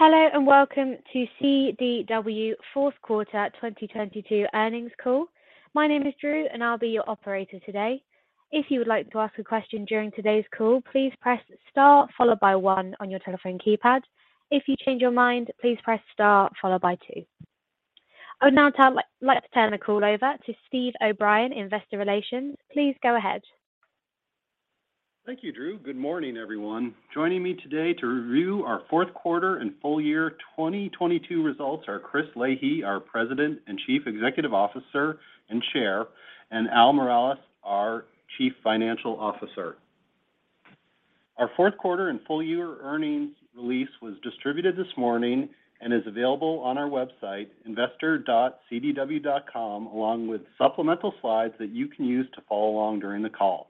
Hello, welcome to CDW fourth quarter 2022 earnings call. My name is Drew, I'll be your operator today. If you would like to ask a question during today's call, please press star followed by one on your telephone keypad. If you change your mind, please press star followed by two. I would now like to turn the call over to Steven O'Brien, Investor Relations. Please go ahead. Thank you, Drew. Good morning, everyone. Joining me today to review our fourth quarter and full year 2022 results are Christine Leahy, our President and Chief Executive Officer and Chair, and Albert Miralles, our Chief Financial Officer. Our fourth quarter and full year earnings release was distributed this morning and is available on our website, investor.cdw.com, along with supplemental slides that you can use to follow along during the call.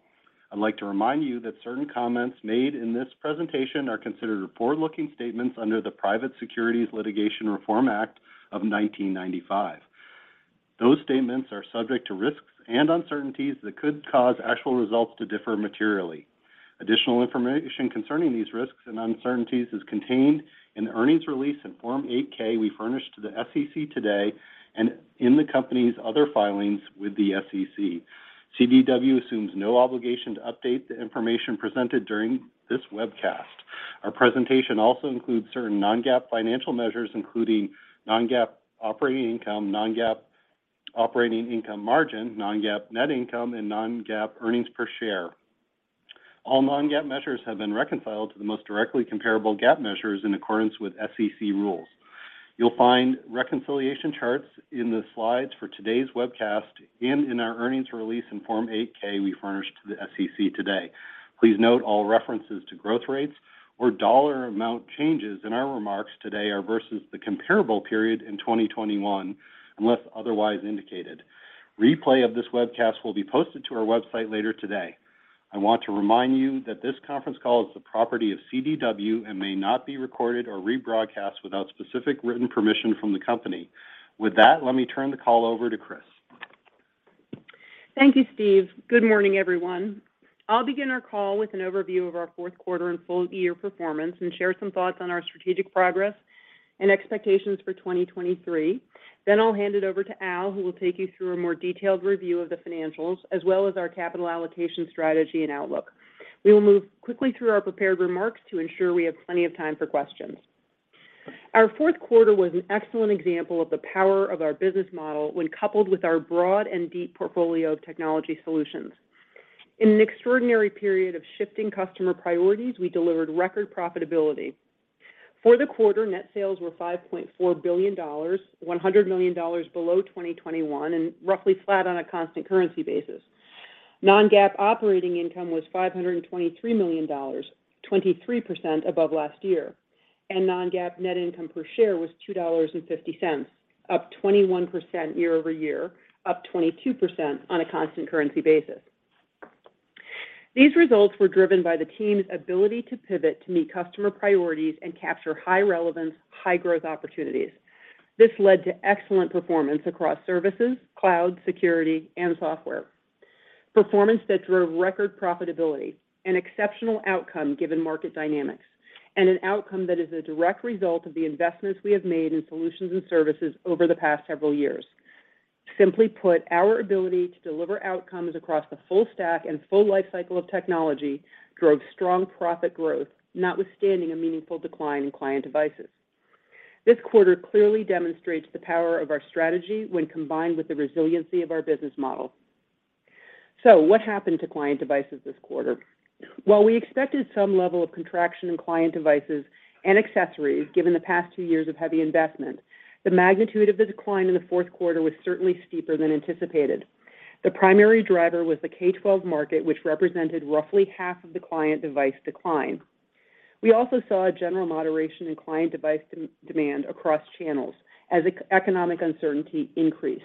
I'd like to remind you that certain comments made in this presentation are considered forward-looking statements under the Private Securities Litigation Reform Act of 1995. Those statements are subject to risks and uncertainties that could cause actual results to differ materially. Additional information concerning these risks and uncertainties is contained in the earnings release in Form 8-K we furnished to the SEC today and in the company's other filings with the SEC. CDW assumes no obligation to update the information presented during this webcast. Our presentation also includes certain non-GAAP financial measures, including non-GAAP operating income, non-GAAP operating income margin, non-GAAP net income, and non-GAAP earnings per share. All non-GAAP measures have been reconciled to the most directly comparable GAAP measures in accordance with SEC rules. You'll find reconciliation charts in the slides for today's webcast and in our earnings release in Form 8-K we furnished to the SEC today. Please note all references to growth rates or dollar amount changes in our remarks today are versus the comparable period in 2021, unless otherwise indicated. Replay of this webcast will be posted to our website later today. I want to remind you that this conference call is the property of CDW and may not be recorded or rebroadcast without specific written permission from the company. With that, let me turn the call over to Christine. Thank you, Steven. Good morning, everyone. I'll begin our call with an overview of our fourth quarter and full year performance and share some thoughts on our strategic progress and expectations for 2023. I'll hand it over to Albert, who will take you through a more detailed review of the financials as well as our capital allocation strategy and outlook. We will move quickly through our prepared remarks to ensure we have plenty of time for questions. Our fourth quarter was an excellent example of the power of our business model when coupled with our broad and deep portfolio of technology solutions. In an extraordinary period of shifting customer priorities, we delivered record profitability. For the quarter, net sales were $5.4 billion, $100 million below 2021 and roughly flat on a constant currency basis. Non-GAAP operating income was $523 million, 23% above last year. Non-GAAP net income per share was $2.50, up 21% year-over-year, up 22% on a constant currency basis. These results were driven by the team's ability to pivot to meet customer priorities and capture high relevance, high growth opportunities. This led to excellent performance across services, cloud, security, and software. Performance that drove record profitability, an exceptional outcome given market dynamics, and an outcome that is a direct result of the investments we have made in solutions and services over the past several years. Simply put, our ability to deliver outcomes across the full stack and full lifecycle of technology drove strong profit growth, notwithstanding a meaningful decline in client devices. This quarter clearly demonstrates the power of our strategy when combined with the resiliency of our business model. What happened to client devices this quarter? While we expected some level of contraction in client devices and accessories, given the past two years of heavy investment, the magnitude of the decline in the fourth quarter was certainly steeper than anticipated. The primary driver was the K-12 market, which represented roughly half of the client device decline. We also saw a general moderation in client device de-demand across channels as economic uncertainty increased.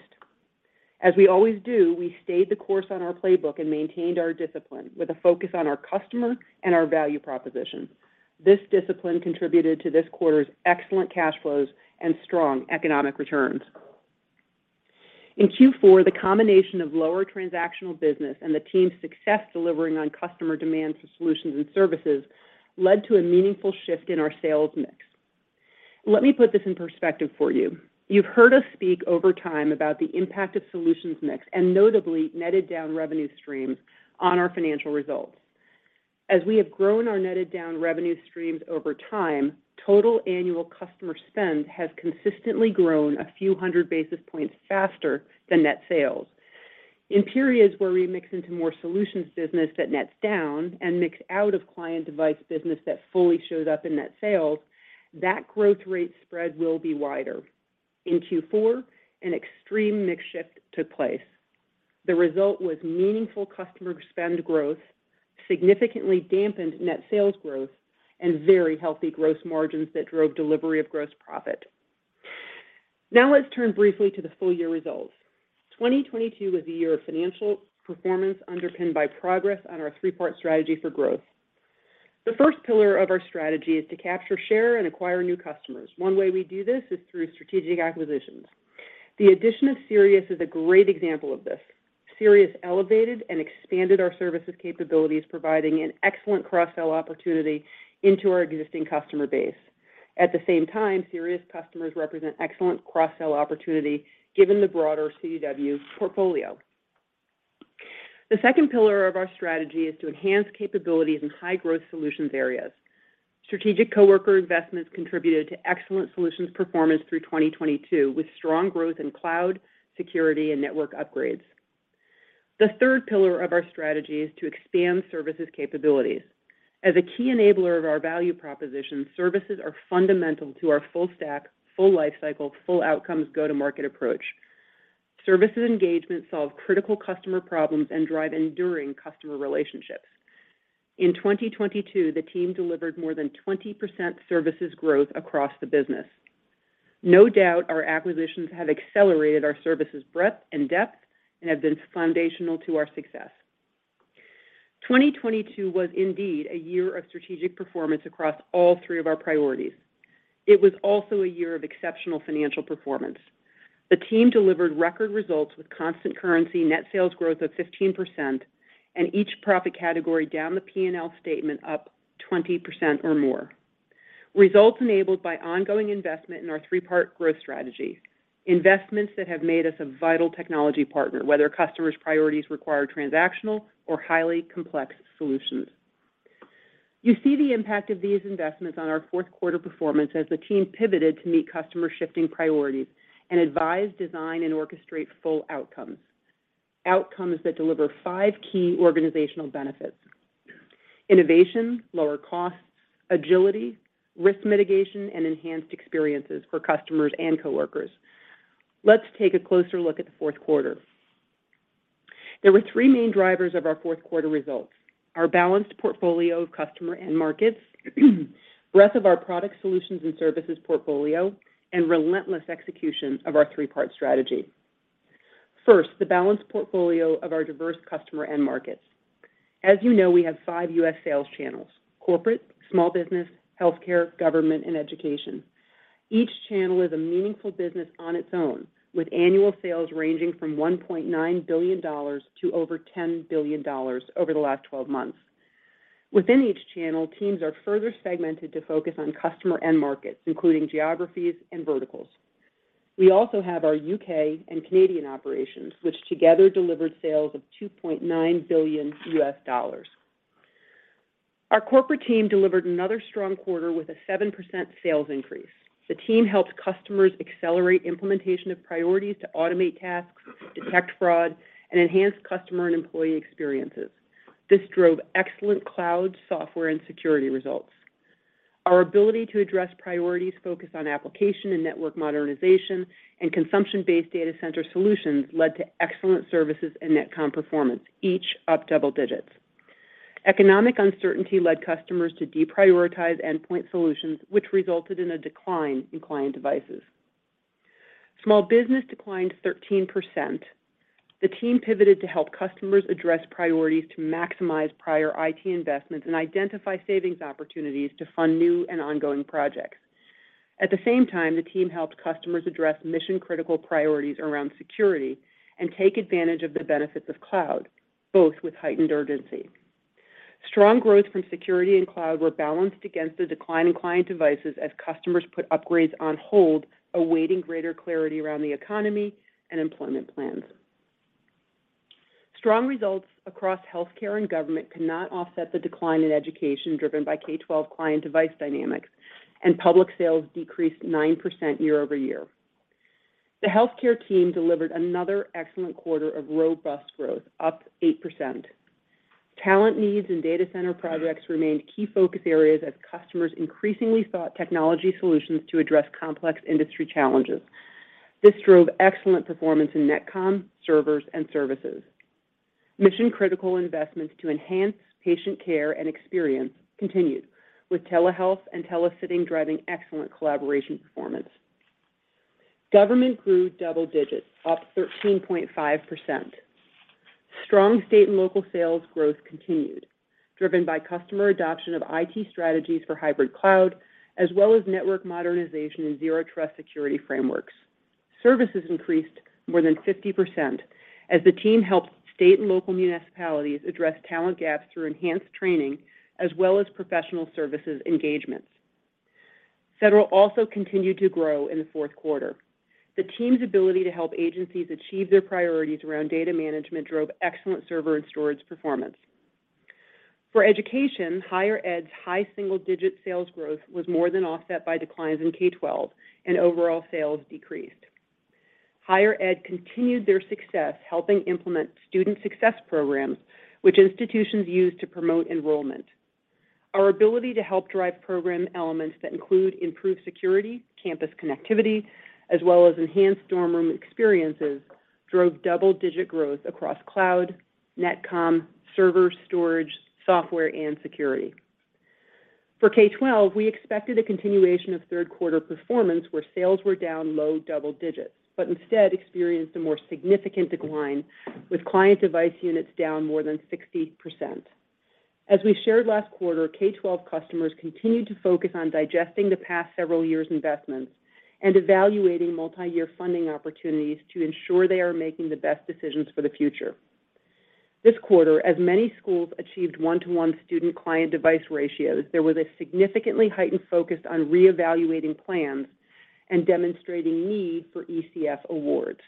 As we always do, we stayed the course on our playbook and maintained our discipline with a focus on our customer and our value proposition. This discipline contributed to this quarter's excellent cash flows and strong economic returns. In Q4, the combination of lower transactional business and the team's success delivering on customer demand for solutions and services led to a meaningful shift in our sales mix. Let me put this in perspective for you. You've heard us speak over time about the impact of solutions mix and notably netted down revenue streams on our financial results. As we have grown our netted down revenue streams over time, total annual customer spend has consistently grown a few hundred basis points faster than net sales. In periods where we mix into more solutions business that nets down and mix out of client device business that fully shows up in net sales, that growth rate spread will be wider. In Q4, an extreme mix shift took place. The result was meaningful customer spend growth, significantly dampened net sales growth, and very healthy gross margins that drove delivery of gross profit. Now let's turn briefly to the full year results. 2022 was a year of financial performance underpinned by progress on our three-part strategy for growth. The first pillar of our strategy is to capture, share, and acquire new customers. One way we do this is through strategic acquisitions. The addition of Sirius is a great example of this. Sirius elevated and expanded our services capabilities, providing an excellent cross-sell opportunity into our existing customer base. At the same time, Sirius customers represent excellent cross-sell opportunity given the broader CDW portfolio. The second pillar of our strategy is to enhance capabilities in high-growth solutions areas. Strategic coworker investments contributed to excellent solutions performance through 2022, with strong growth in cloud, security, and network upgrades. The third pillar of our strategy is to expand services capabilities. As a key enabler of our value proposition, services are fundamental to our full stack, full lifecycle, full outcomes go-to-market approach. Services engagement solve critical customer problems and drive enduring customer relationships. In 2022, the team delivered more than 20% services growth across the business. No doubt our acquisitions have accelerated our services breadth and depth and have been foundational to our success. 2022 was indeed a year of strategic performance across all three of our priorities. It was also a year of exceptional financial performance. The team delivered record results with constant currency net sales growth of 15% and each profit category down the P&L statement up 20% or more. Results enabled by ongoing investment in our three-part growth strategy, investments that have made us a vital technology partner, whether customers' priorities require transactional or highly complex solutions. You see the impact of these investments on our fourth quarter performance as the team pivoted to meet customer shifting priorities and advise, design, and orchestrate full outcomes. Outcomes that deliver five key organizational benefits: innovation, lower costs, agility, risk mitigation, and enhanced experiences for customers and coworkers. Let's take a closer look at the fourth quarter. There were three main drivers of our fourth quarter results: our balanced portfolio of customer end markets, breadth of our product solutions and services portfolio, and relentless execution of our three-part strategy. The balanced portfolio of our diverse customer end markets. As you know, we have five US sales channels: corporate, small business, healthcare, government, and education. Each channel is a meaningful business on its own, with annual sales ranging from $1.9 billion to over $10 billion over the last 12 months. Within each channel, teams are further segmented to focus on customer end markets, including geographies and verticals. We also have our U.K. and Canadian operations, which together delivered sales of $2.9 billion. Our corporate team delivered another strong quarter with a 7% sales increase. The team helped customers accelerate implementation of priorities to automate tasks, detect fraud, and enhance customer and employee experiences. This drove excellent cloud, software, and security results. Our ability to address priorities focused on application and network modernization and consumption-based data center solutions led to excellent services and NetComm performance, each up double digits. Economic uncertainty led customers to deprioritize endpoint solutions, which resulted in a decline in client devices. Small business declined 13%. The team pivoted to help customers address priorities to maximize prior IT investments and identify savings opportunities to fund new and ongoing projects. At the same time, the team helped customers address mission-critical priorities around security and take advantage of the benefits of cloud, both with heightened urgency. Strong growth from security and cloud were balanced against the decline in client devices as customers put upgrades on hold, awaiting greater clarity around the economy and employment plans. Strong results across healthcare and government could not offset the decline in education driven by K-12 client device dynamics, and public sales decreased 9% year-over-year. The healthcare team delivered another excellent quarter of robust growth, up 8%. Talent needs and data center projects remained key focus areas as customers increasingly sought technology solutions to address complex industry challenges. This drove excellent performance in NetComm, servers, and services. Mission-critical investments to enhance patient care and experience continued, with telehealth and telesitting driving excellent collaboration performance. Government grew double digits, up 13.5%. Strong state and local sales growth continued, driven by customer adoption of IT strategies for Hybrid Cloud, as well as Network Modernization and Zero Trust security frameworks. Services increased more than 50% as the team helped state and local municipalities address talent gaps through enhanced training as well as professional services engagements. Federal also continued to grow in the fourth quarter. The team's ability to help agencies achieve their priorities around data management drove excellent server and storage performance. For education, higher ed's high single-digit sales growth was more than offset by declines in K-12, and overall sales decreased. Higher ed continued their success helping implement student success programs, which institutions use to promote enrollment. Our ability to help drive program elements that include improved security, campus connectivity, as well as enhanced dorm room experiences drove double-digit growth across cloud, NetComm, server, storage, software, and security. For K-12, we expected a continuation of third quarter performance where sales were down low double digits, but instead experienced a more significant decline with client device units down more than 60%. As we shared last quarter, K-12 customers continued to focus on digesting the past several years' investments and evaluating multi-year funding opportunities to ensure they are making the best decisions for the future. This quarter, as many schools achieved one-to-one student client device ratios, there was a significantly heightened focus on reevaluating plans and demonstrating need for ECF awards.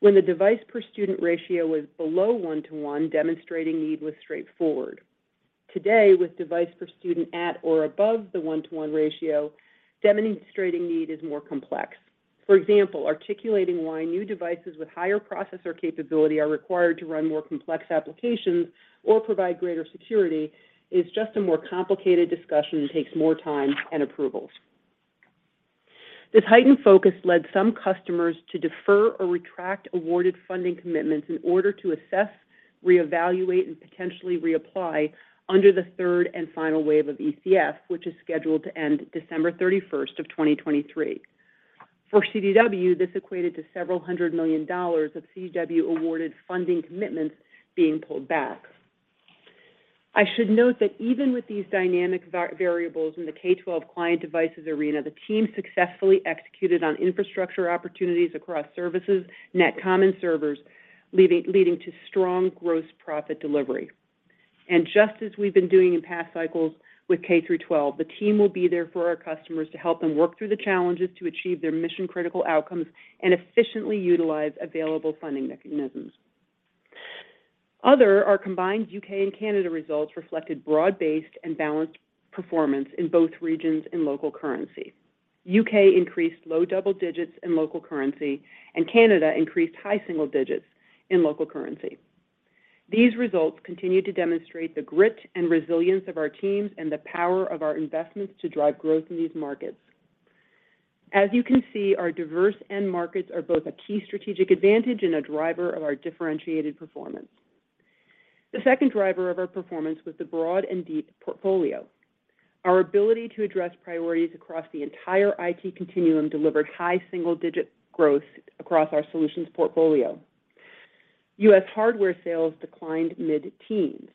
When the device per student ratio was below one-to-one, demonstrating need was straightforward. Today, with device per student at or above the one-to-one ratio, demonstrating need is more complex. For example, articulating why new devices with higher processor capability are required to run more complex applications or provide greater security is just a more complicated discussion and takes more time and approvals. This heightened focus led some customers to defer or retract awarded funding commitments in order to assess, reevaluate, and potentially reapply under the third and final wave of ECF, which is scheduled to end December 31st of 2023. For CDW, this equated to several hundred million dollars of CDW-awarded funding commitments being pulled back. I should note that even with these dynamic variables in the K-12 client devices arena, the team successfully executed on infrastructure opportunities across services, NetComm servers, leading to strong gross profit delivery. Just as we've been doing in past cycles with K-12 through twelve, the team will be there for our customers to help them work through the challenges to achieve their mission-critical outcomes and efficiently utilize available funding mechanisms. Other are combined U.K. and Canada results reflected broad-based and balanced performance in both regions and local currency. U.K. increased low double digits in local currency, and Canada increased high single digits in local currency. These results continue to demonstrate the grit and resilience of our teams and the power of our investments to drive growth in these markets. As you can see, our diverse end markets are both a key strategic advantage and a driver of our differentiated performance. The second driver of our performance was the broad and deep portfolio. Our ability to address priorities across the entire IT continuum delivered high single-digit growth across our solutions portfolio. US hardware sales declined mid-teens.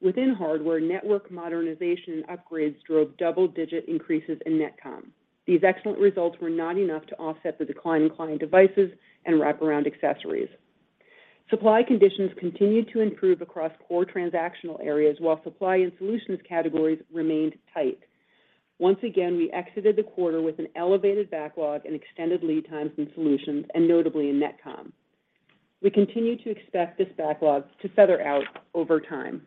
Within hardware, network modernization and upgrades drove double-digit increases in NetComm. These excellent results were not enough to offset the decline in client devices and wraparound accessories. Supply conditions continued to improve across core transactional areas while supply and solutions categories remained tight. Once again, we exited the quarter with an elevated backlog and extended lead times in solutions and notably in NetComm. We continue to expect this backlog to feather out over time.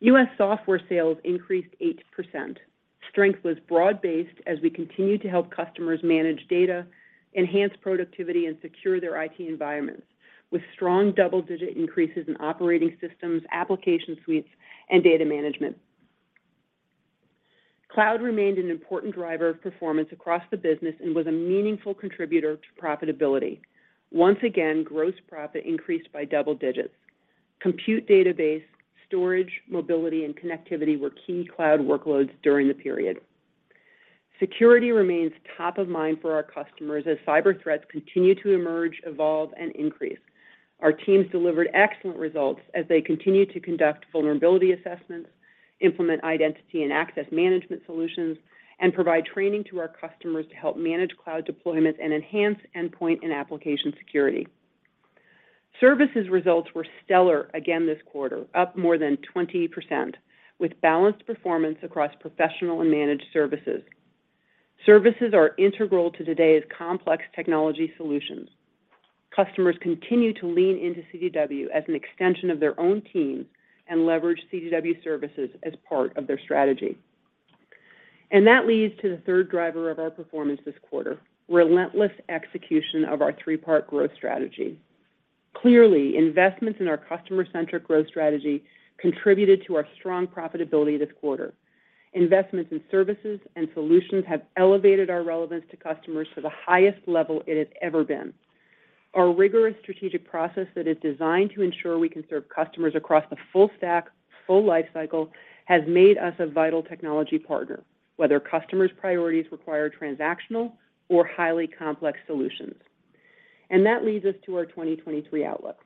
US software sales increased 8%. Strength was broad-based as we continued to help customers manage data, enhance productivity, and secure their IT environments with strong double-digit increases in operating systems, application suites, and data management. Cloud remained an important driver of performance across the business and was a meaningful contributor to profitability. Once again, gross profit increased by double digits. Compute database, storage, mobility, and connectivity were key cloud workloads during the period. Security remains top of mind for our customers as cyber threats continue to emerge, evolve and increase. Our teams delivered excellent results as they continued to conduct vulnerability assessments, implement identity and access management solutions, and provide training to our customers to help manage cloud deployments and enhance endpoint and application security. Services results were stellar again this quarter, up more than 20%, with balanced performance across professional and managed services. Services are integral to today's complex technology solutions. Customers continue to lean into CDW as an extension of their own teams and leverage CDW services as part of their strategy. That leads to the third driver of our performance this quarter, relentless execution of our three-part growth strategy. Clearly, investments in our customer-centric growth strategy contributed to our strong profitability this quarter. Investments in services and solutions have elevated our relevance to customers to the highest level it has ever been. Our rigorous strategic process that is designed to ensure we can serve customers across the full stack, full lifecycle has made us a vital technology partner, whether customers' priorities require transactional or highly complex solutions. That leads us to our 2023 outlook.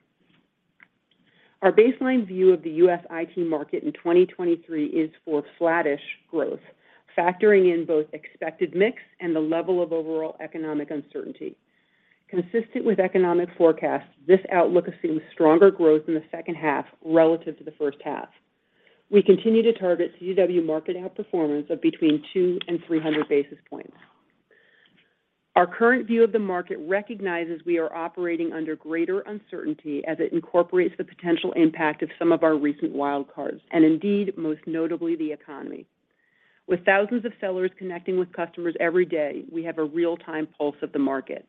Our baseline view of the US IT market in 2023 is for flattish growth, factoring in both expected mix and the level of overall economic uncertainty. Consistent with economic forecasts, this outlook assumes stronger growth in the second half relative to the first half. We continue to target CDW market outperformance of between 2 and 300 basis points. Our current view of the market recognizes we are operating under greater uncertainty as it incorporates the potential impact of some of our recent wild cards, indeed, most notably, the economy. With thousands of sellers connecting with customers every day, we have a real-time pulse of the market.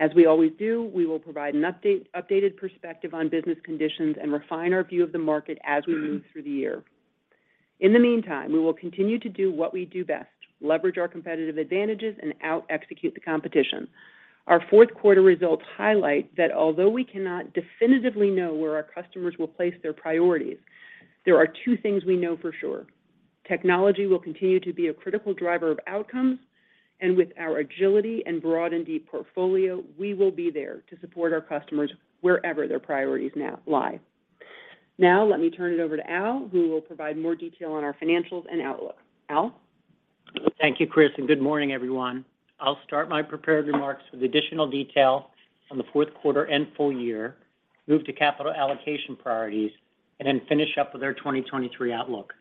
As we always do, we will provide an updated perspective on business conditions and refine our view of the market as we move through the year. In the meantime, we will continue to do what we do best, leverage our competitive advantages, and out-execute the competition. Our fourth quarter results highlight that although we cannot definitively know where our customers will place their priorities, there are two things we know for sure. Technology will continue to be a critical driver of outcomes. With our agility and broad and deep portfolio, we will be there to support our customers wherever their priorities now lie. Now let me turn it over to Albert, who will provide more detail on our financials and outlook. Albert? Thank you, Christine. Good morning, everyone. I'll start my prepared remarks with additional detail on the fourth quarter and full year, move to capital allocation priorities, and then finish up with our 2023 outlook.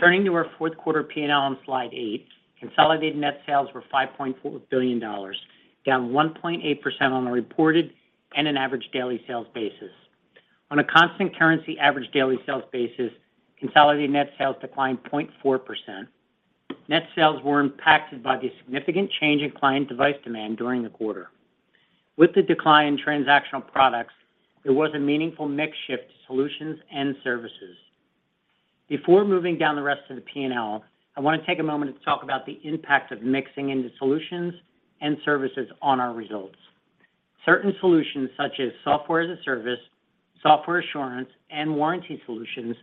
Turning to our fourth quarter P&L on slide eight, consolidated net sales were $5.4 billion, down 1.8% on a reported and an average daily sales basis. On a constant currency average daily sales basis, consolidated net sales declined 0.4%. Net sales were impacted by the significant change in client device demand during the quarter. With the decline in transactional products, there was a meaningful mix shift to solutions and services. Before moving down the rest of the P&L, I want to take a moment to talk about the impact of mixing into solutions and services on our results. Certain solutions, such as Software-as-a-Service, software assurance, and warranty solutions,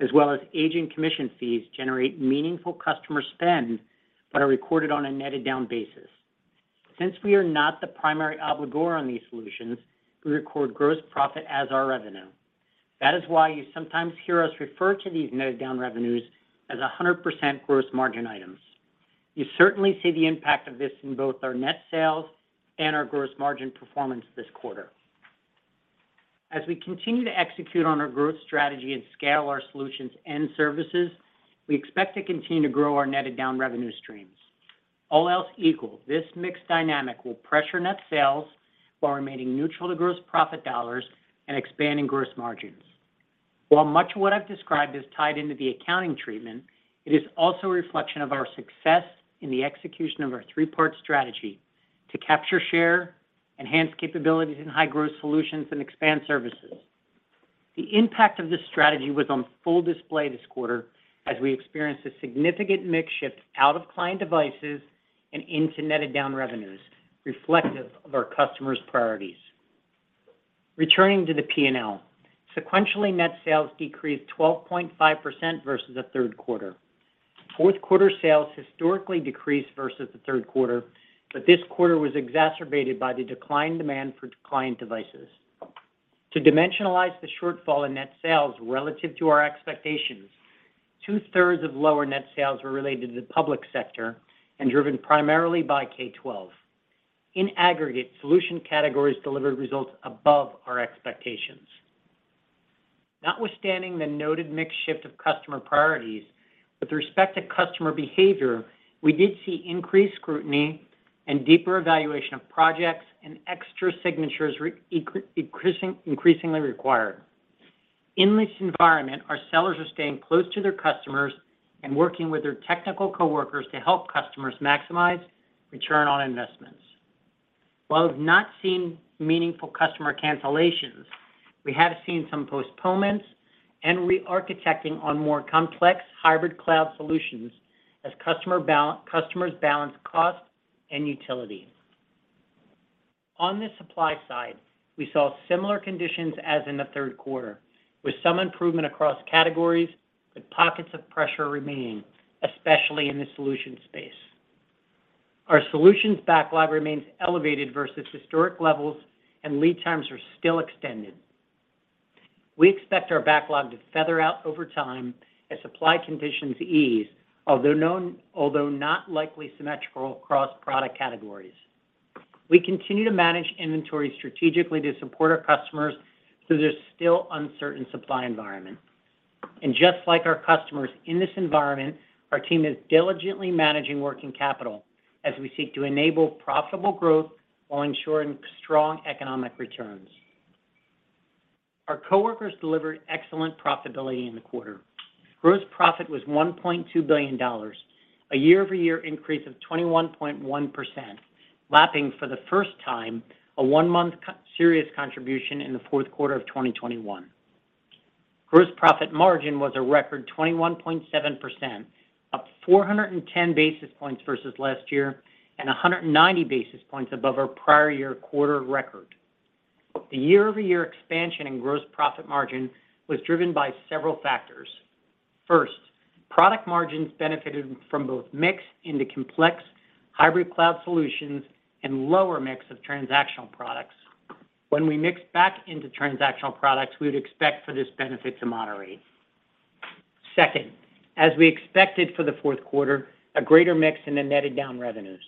as well as aging commission fees, generate meaningful customer spend, but are recorded on a netted down basis. Since we are not the primary obligor on these solutions, we record gross profit as our revenue. That is why you sometimes hear us refer to these netted down revenues as 100% gross margin items. You certainly see the impact of this in both our net sales and our gross margin performance this quarter. As we continue to execute on our growth strategy and scale our solutions and services, we expect to continue to grow our netted down revenue streams. All else equal, this mixed dynamic will pressure net sales while remaining neutral to gross profit dollars and expanding gross margins. While much of what I've described is tied into the accounting treatment, it is also a reflection of our success in the execution of our three-part strategy to capture share, enhance capabilities in high-growth solutions, and expand services. The impact of this strategy was on full display this quarter as we experienced a significant mix shift out of client devices and into netted down revenues, reflective of our customers' priorities. Returning to the P&L, sequentially net sales decreased 12.5% versus the third quarter. Fourth quarter sales historically decreased versus the third quarter, but this quarter was exacerbated by the declined demand for client devices. To dimensionalize the shortfall in net sales relative to our expectations, two-thirds of lower net sales were related to the public sector and driven primarily by K-12. In aggregate, solution categories delivered results above our expectations. Notwithstanding the noted mix shift of customer priorities, with respect to customer behavior, we did see increased scrutiny and deeper evaluation of projects and extra signatures increasingly required. In this environment, our sellers are staying close to their customers and working with their technical coworkers to help customers maximize return on investments. While we've not seen meaningful customer cancellations, we have seen some postponements and re-architecting on more complex hybrid cloud solutions as customers balance cost and utility. On the supply side, we saw similar conditions as in the third quarter, with some improvement across categories, with pockets of pressure remaining, especially in the solution space. Our solutions backlog remains elevated versus historic levels, and lead times are still extended. We expect our backlog to feather out over time as supply conditions ease, although not likely symmetrical across product categories. We continue to manage inventory strategically to support our customers through this still uncertain supply environment. Just like our customers in this environment, our team is diligently managing working capital as we seek to enable profitable growth while ensuring strong economic returns. Our coworkers delivered excellent profitability in the quarter. Gross profit was $1.2 billion, a year-over-year increase of 21.1%, lapping for the first time a one-month Sirius contribution in the fourth quarter of 2021. Gross profit margin was a record 21.7%, up 410 basis points versus last year and 190 basis points above our prior year quarter record. The year-over-year expansion in gross profit margin was driven by several factors. First, product margins benefited from both mix into complex hybrid cloud solutions and lower mix of transactional products. When we mix back into transactional products, we would expect for this benefit to moderate. As we expected for the fourth quarter, a greater mix in the netted down revenues.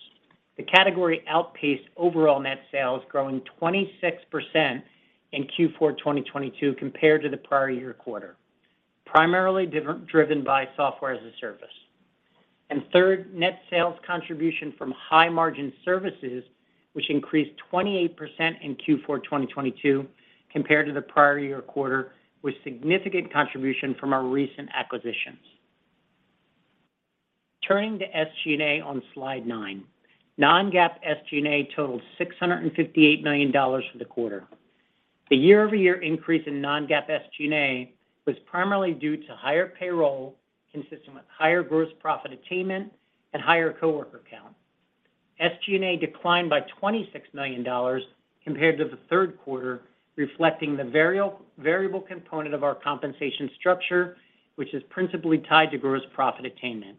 The category outpaced overall net sales, growing 26% in Q4 2022 compared to the prior year quarter, primarily driven by Software-as-a-Service. Third, net sales contribution from high-margin services, which increased 28% in Q4 2022 compared to the prior year quarter, with significant contribution from our recent acquisitions. Turning to SG&A on slide nine. Non-GAAP SG&A totaled $658 million for the quarter. The year-over-year increase in non-GAAP SG&A was primarily due to higher payroll consistent with higher gross profit attainment and higher coworker count. SG&A declined by $26 million compared to the third quarter, reflecting the variable component of our compensation structure, which is principally tied to gross profit attainment.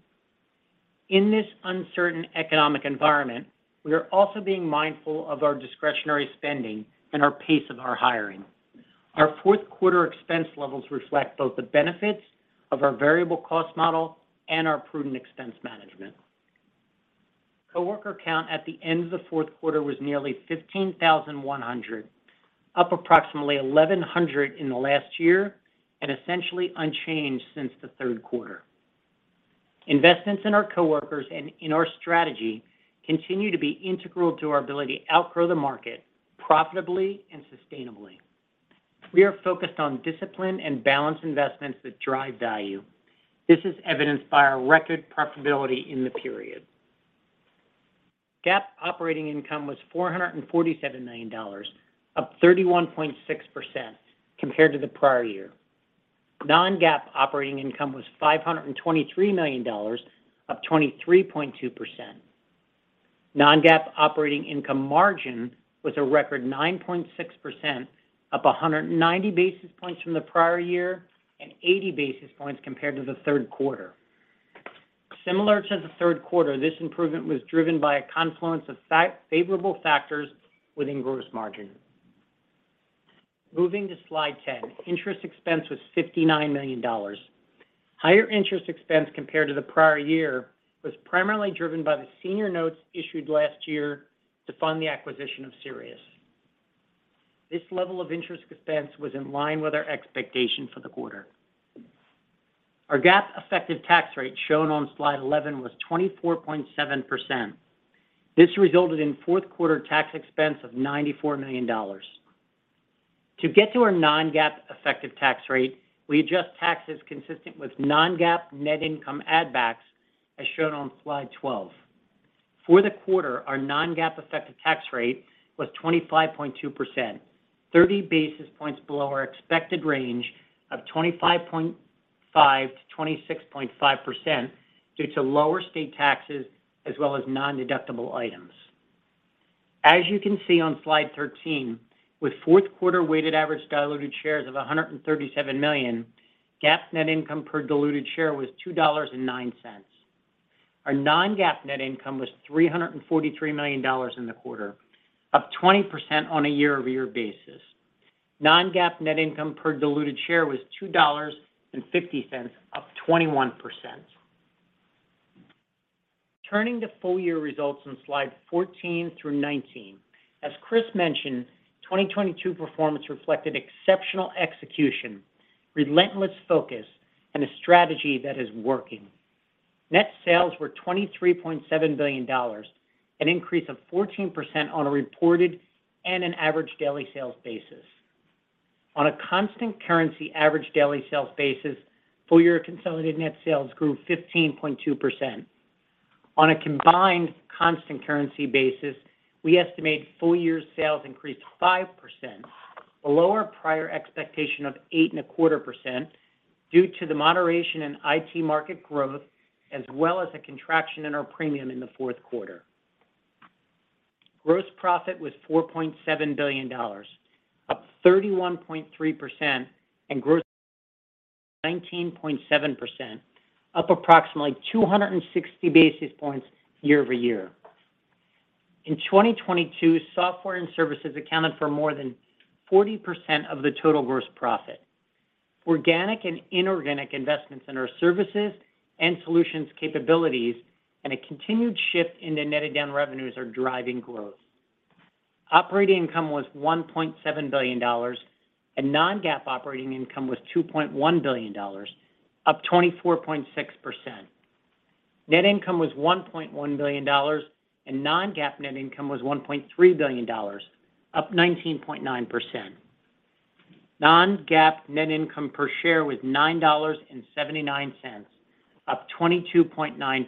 In this uncertain economic environment, we are also being mindful of our discretionary spending and our pace of our hiring. Our fourth quarter expense levels reflect both the benefits of our variable cost model and our prudent expense management. Coworker count at the end of the fourth quarter was nearly 15,100, up approximately 1,100 in the last year and essentially unchanged since the third quarter. Investments in our coworkers and in our strategy continue to be integral to our ability to outgrow the market profitably and sustainably. We are focused on discipline and balanced investments that drive value. This is evidenced by our record profitability in the period. GAAP operating income was $447 million, up 31.6% compared to the prior year. Non-GAAP operating income was $523 million, up 23.2%. Non-GAAP operating income margin was a record 9.6%, up 190 basis points from the prior year and 80 basis points compared to the third quarter. Similar to the third quarter, this improvement was driven by a confluence of favorable factors within gross margin. Moving to slide 10, interest expense was $59 million. Higher interest expense compared to the prior year was primarily driven by the senior notes issued last year to fund the acquisition of Sirius. This level of interest expense was in line with our expectation for the quarter. Our GAAP effective tax rate shown on Slide 11 was 24.7%. This resulted in fourth quarter tax expense of $94 million. To get to our non-GAAP effective tax rate, we adjust taxes consistent with non-GAAP net income add backs, as shown on Slide 12. For the quarter, our non-GAAP effective tax rate was 25.2%, 30 basis points below our expected range of 25.5%-26.5% due to lower state taxes as well as non-deductible items. As you can see on Slide 13, with fourth quarter weighted average diluted shares of 137 million, GAAP net income per diluted share was $2.09. Our non-GAAP net income was $343 million in the quarter, up 20% on a year-over-year basis. Non-GAAP net income per diluted share was $2.50, up 21%. Turning to full year results on slide 14-19. As Christine mentioned, 2022 performance reflected exceptional execution, relentless focus, and a strategy that is working. Net sales were $23.7 billion, an increase of 14% on a reported and an average daily sales basis. On a constant currency average daily sales basis, full year consolidated net sales grew 15.2%. On a combined constant currency basis, we estimate full year sales increased 5%, below our prior expectation of 8.25% due to the moderation in IT market growth as well as a contraction in our premium in the fourth quarter. Gross profit was $4.7 billion, up 31.3%, and 19.7%, up approximately 260 basis points year-over-year. In 2022, software and services accounted for more than 40% of the total gross profit. Organic and inorganic investments in our services and solutions capabilities and a continued shift into netted down revenues are driving growth. Operating income was $1.7 billion, and non-GAAP operating income was $2.1 billion, up 24.6%. Net income was $1.1 billion, and non-GAAP net income was $1.3 billion, up 19.9%. Non-GAAP net income per share was $9.79, up 22.9%.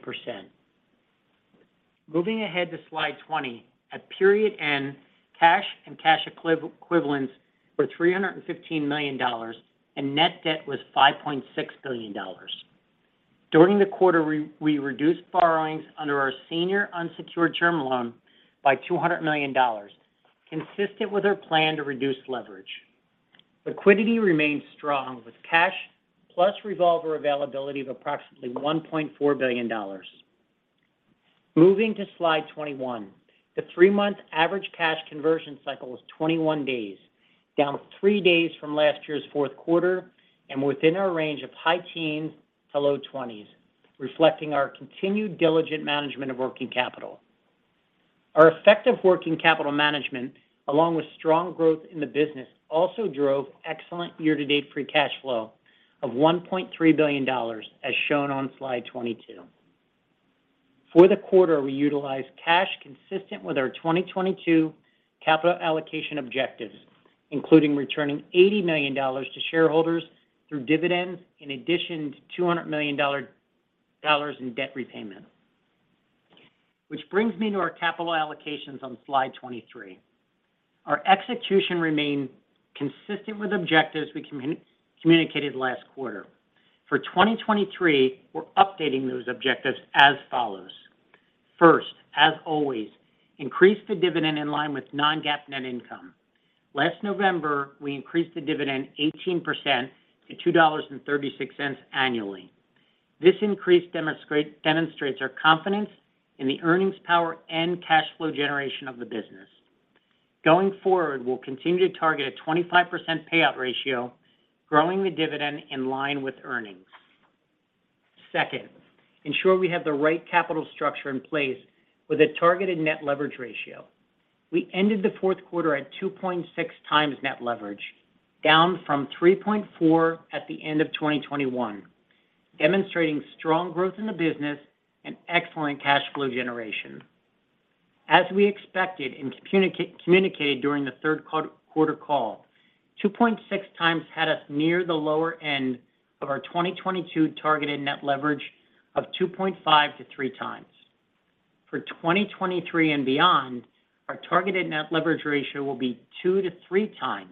Moving ahead to slide 20. At period end, cash and cash equivalents were $315 million, and net debt was $5.6 billion. During the quarter, we reduced borrowings under our senior unsecured term loan by $200 million, consistent with our plan to reduce leverage. Liquidity remains strong with cash plus revolver availability of approximately $1.4 billion. Moving to Slide 21. The three-month average cash conversion cycle was 21 days, down three days from last year's fourth quarter and within our range of high teens to low 20s, reflecting our continued diligent management of working capital. Our effective working capital management, along with strong growth in the business, also drove excellent year-to-date free cash flow of $1.3 billion, as shown on Slide 22. For the quarter, we utilized cash consistent with our 2022 capital allocation objectives, including returning $80 million to shareholders through dividends in addition to $200 million in debt repayment. Which brings me to our capital allocations on Slide 23. Our execution remained consistent with objectives we communicated last quarter. For 2023, we're updating those objectives as follows. First, as always, increase the dividend in line with non-GAAP net income. Last November, we increased the dividend 18% to $2.36 annually. This increase demonstrates our confidence in the earnings power and cash flow generation of the business. Going forward, we'll continue to target a 25% payout ratio, growing the dividend in line with earnings. Second, ensure we have the right capital structure in place with a targeted net leverage ratio. We ended the fourth quarter at 2.6x net leverage, down from 3.4 at the end of 2021, demonstrating strong growth in the business and excellent cash flow generation. As we expected and communicated during the third quarter call, 2.6x had us near the lower end of our 2022 targeted net leverage of 2.5x-3x. For 2023 and beyond, our targeted net leverage ratio will be 2x-3x,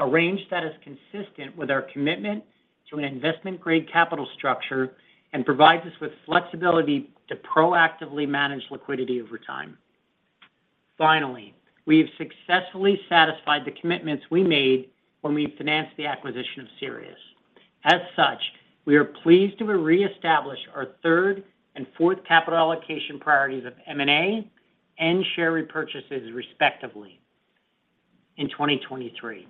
a range that is consistent with our commitment to an investment-grade capital structure and provides us with flexibility to proactively manage liquidity over time. Finally, we have successfully satisfied the commitments we made when we financed the acquisition of Sirius. As such, we are pleased to reestablish our third and fourth capital allocation priorities of M&A and share repurchases, respectively in 2023.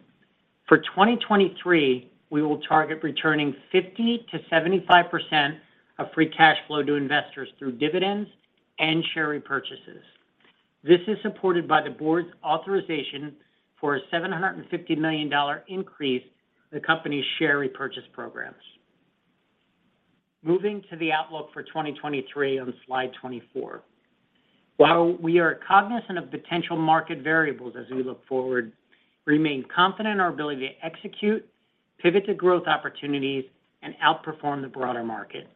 For 2023, we will target returning 50%-75% of free cash flow to investors through dividends and share repurchases. This is supported by the board's authorization for a $750 million increase in the company's share repurchase programs. Moving to the outlook for 2023 on slide 24. While we are cognizant of potential market variables as we look forward, we remain confident in our ability to execute, pivot to growth opportunities, and outperform the broader market.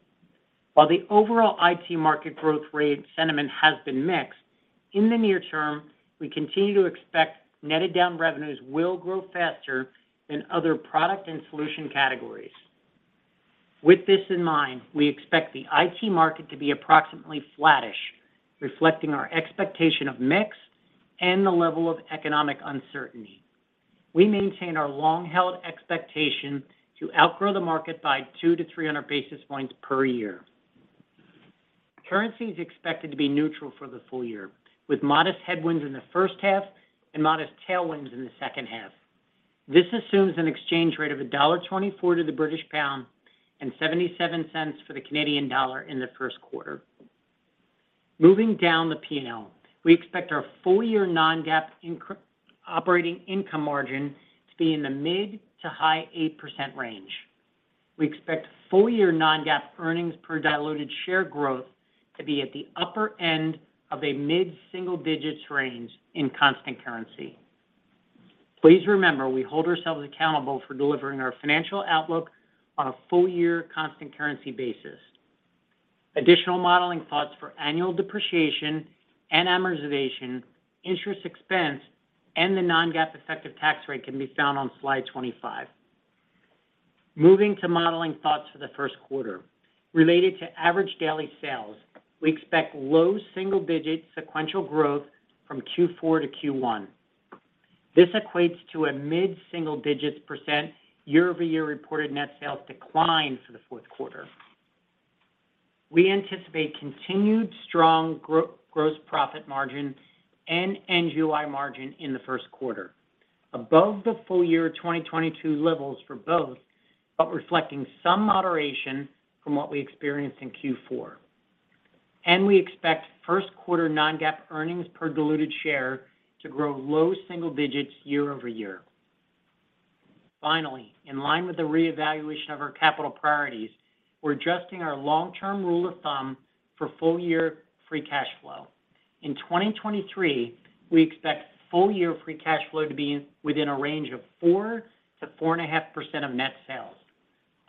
While the overall IT market growth rate sentiment has been mixed, in the near term, we continue to expect netted down revenues will grow faster than other product and solution categories. With this in mind, we expect the IT market to be approximately flattish, reflecting our expectation of mix and the level of economic uncertainty. We maintain our long-held expectation to outgrow the market by 200-300 basis points per year. Currency is expected to be neutral for the full year, with modest headwinds in the first half and modest tailwinds in the second half. This assumes an exchange rate of $1.24 to the British pound and $0.77 for the Canadian dollar in the first quarter. Moving down the P&L, we expect our full year non-GAAP operating income margin to be in the mid-to-high 8% range. We expect full year non-GAAP earnings per diluted share growth to be at the upper end of a mid-single digits range in constant currency. Please remember, we hold ourselves accountable for delivering our financial outlook on a full year constant currency basis. Additional modeling thoughts for annual depreciation and amortization, interest expense, and the non-GAAP effective tax rate can be found on slide 25. Moving to modeling thoughts for the first quarter. Related to average daily sales, we expect low single digits sequential growth from Q4 - Q1. This equates to a mid-single digits % year-over-year reported net sales decline for the fourth quarter. We anticipate continued strong gross profit margin and NGOI margin in the first quarter, above the full year 2022 levels for both, reflecting some moderation from what we experienced in Q4. We expect first quarter non-GAAP earnings per diluted share to grow low single digits year-over-year. Finally, in line with the reevaluation of our capital priorities, we're adjusting our long-term rule of thumb for full year free cash flow. In 2023, we expect full year free cash flow to be within a range of 4%-4.5% of net sales,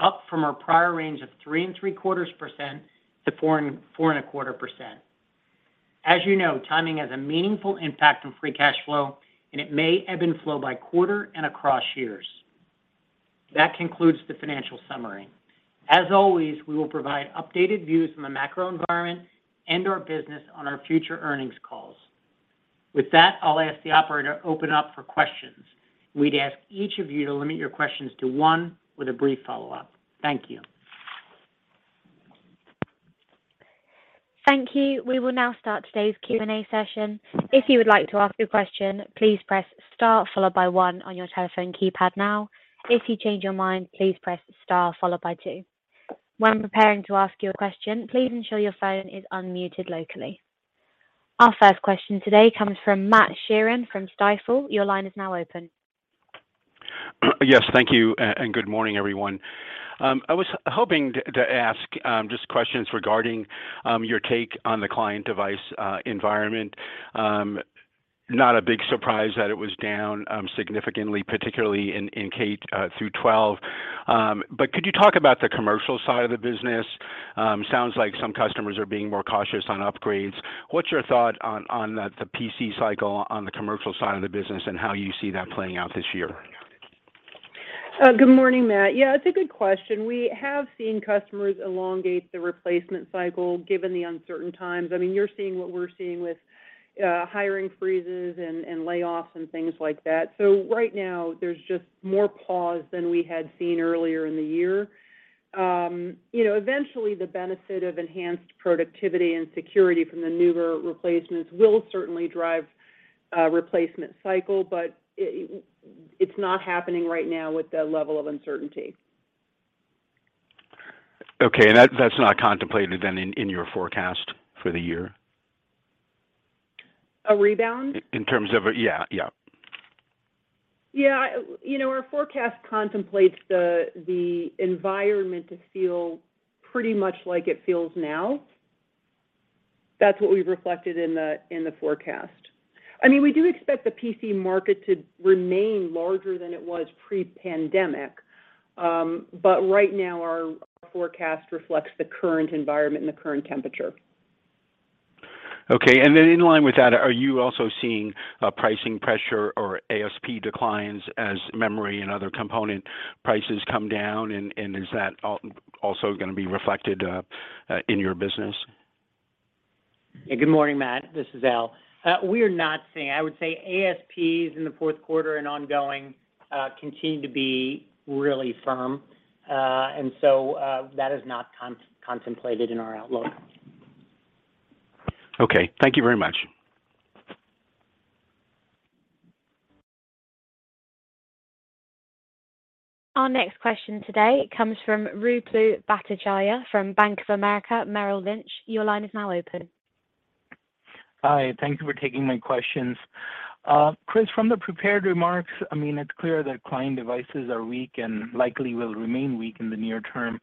up from our prior range of 3.75%-4.25%. As you know, timing has a meaningful impact on free cash flow, and it may ebb and flow by quarter and across years. That concludes the financial summary. As always, we will provide updated views from a macro environment and our business on our future earnings calls. With that, I'll ask the operator to open up for questions. We'd ask each of you to limit your questions to one with a brief follow-up. Thank you. Thank you. We will now start today's Q&A session. If you would like to ask a question, please press star followed by one on your telephone keypad now. If you change your mind, please press star followed by two. When preparing to ask your question, please ensure your phone is unmuted locally. Our first question today comes from Matthew Sheerin from Stifel. Your line is now open. Yes, thank you and good morning, everyone. I was hoping to ask, just questions regarding, your take on the client device, environment. Not a big surprise that it was down, significantly, particularly in K-12. Could you talk about the commercial side of the business? Sounds like some customers are being more cautious on upgrades. What's your thought on the PC cycle on the commercial side of the business and how you see that playing out this year? Good morning, Matthew. Yeah, it's a good question. We have seen customers elongate the replacement cycle given the uncertain times. I mean, you're seeing what we're seeing with hiring freezes and layoffs and things like that. Right now there's just more pause than we had seen earlier in the year. You know, eventually the benefit of enhanced productivity and security from the newer replacements will certainly drive a replacement cycle, but it's not happening right now with the level of uncertainty. Okay. That's not contemplated then in your forecast for the year? A rebound? In terms of... Yeah, yeah. Yeah. You know, our forecast contemplates the environment to feel pretty much like it feels now. That's what we've reflected in the, in the forecast. I mean, we do expect the PC market to remain larger than it was pre-pandemic. Right now our forecast reflects the current environment and the current temperature. Okay. Then in line with that, are you also seeing pricing pressure or ASP declines as memory and other component prices come down? Is that also gonna be reflected in your business? Good morning, Matthew. This is Albert. We are not seeing... I would say ASPs in the fourth quarter and ongoing, continue to be really firm. That is not contemplated in our outlook. Okay. Thank you very much. Our next question today comes from Ruplu Bhattacharya from Bank of America. Your line is now open. Hi. Thank you for taking my questions. Christine, from the prepared remarks, I mean, it's clear that client devices are weak and likely will remain weak in the near term.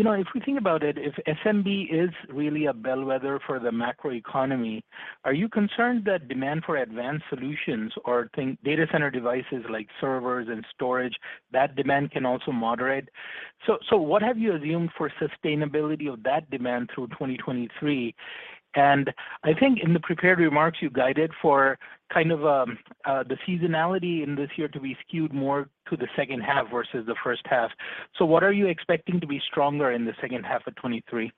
You know, if we think about it, if SMB is really a bellwether for the macro economy, are you concerned that demand for advanced solutions or think data center devices like servers and storage, that demand can also moderate? What have you assumed for sustainability of that demand through 2023? I think in the prepared remarks you guided for kind of the seasonality in this year to be skewed more to the second half versus the first half. What are you expecting to be stronger in the second half of 2023?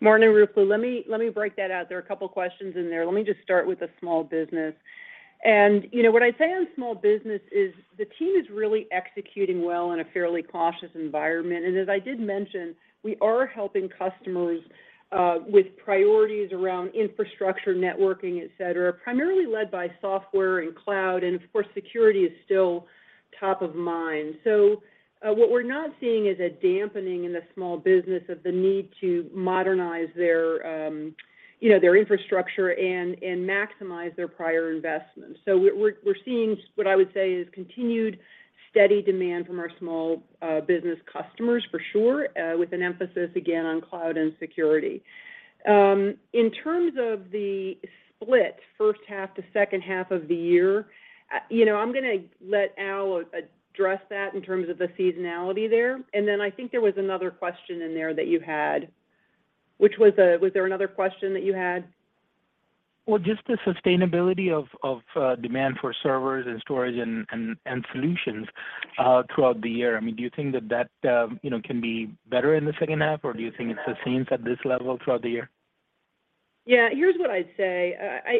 Morning, Ruplu. Let me break that out. There are a couple questions in there. Let me just start with the small business. You know, what I'd say on small business is the team is really executing well in a fairly cautious environment. As I did mention, we are helping customers with priorities around infrastructure, networking, et cetera, primarily led by software and cloud. Of course, security is still top of mind. What we're not seeing is a dampening in the small business of the need to modernize their, you know, their infrastructure and maximize their prior investments. We're seeing what I would say is continued steady demand from our small business customers for sure, with an emphasis again on cloud and security. In terms of the split first half to second half of the year, you know, I'm gonna let Albert address that in terms of the seasonality there. I think there was another question in there that you had. Was there another question that you had? Well, just the sustainability of demand for servers and storage and solutions throughout the year. I mean, do you think that that, you know, can be better in the second half? Or do you think it sustains at this level throughout the year? Yeah. Here's what I'd say.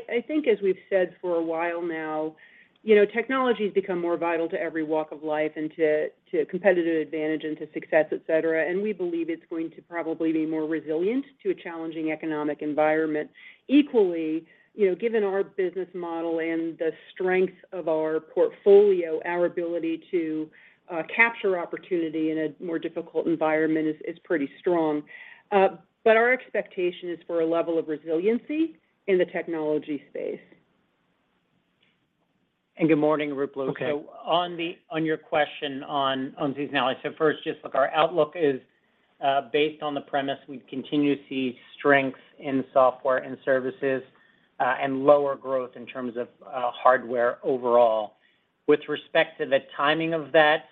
I think as we've said for a while now, you know, technology's become more vital to every walk of life and to competitive advantage and to success, et cetera. We believe it's going to probably be more resilient to a challenging economic environment. Equally, you know, given our business model and the strength of our portfolio, our ability to capture opportunity in a more difficult environment is pretty strong. Our expectation is for a level of resiliency in the technology space. Good morning, Ruplu. Okay. On your question on seasonality. First, just look, our outlook is based on the premise we continue to see strengths in software and services and lower growth in terms of hardware overall. With respect to the timing of that,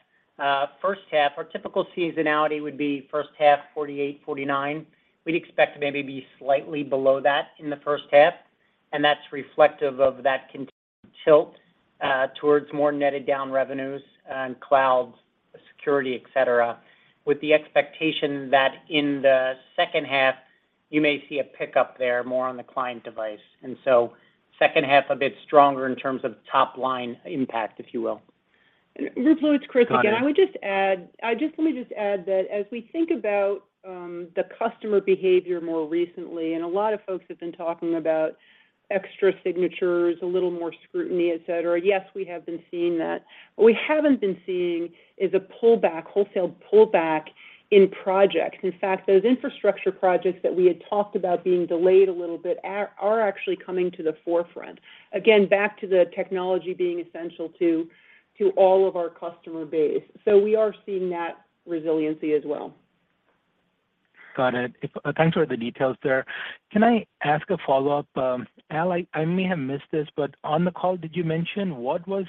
first half, our typical seasonality would be first half 48, 49. We'd expect to maybe be slightly below that in the first half, and that's reflective of that continued tilt towards more netted down revenues and cloud security, et cetera, with the expectation that in the second half you may see a pickup there more on the client device. Second half a bit stronger in terms of top line impact, if you will. Ruplu, it's Christine again. Got it. Let me just add that as we think about the customer behavior more recently, and a lot of folks have been talking about extra signatures, a little more scrutiny, et cetera. Yes, we have been seeing that. What we haven't been seeing is a pullback, wholesale pullback in projects. In fact, those infrastructure projects that we had talked about being delayed a little bit are actually coming to the forefront. Again, back to the technology being essential to all of our customer base. We are seeing that resiliency as well. Got it. Thanks for the details there. Can I ask a follow-up? Albert, I may have missed this, but on the call, did you mention what was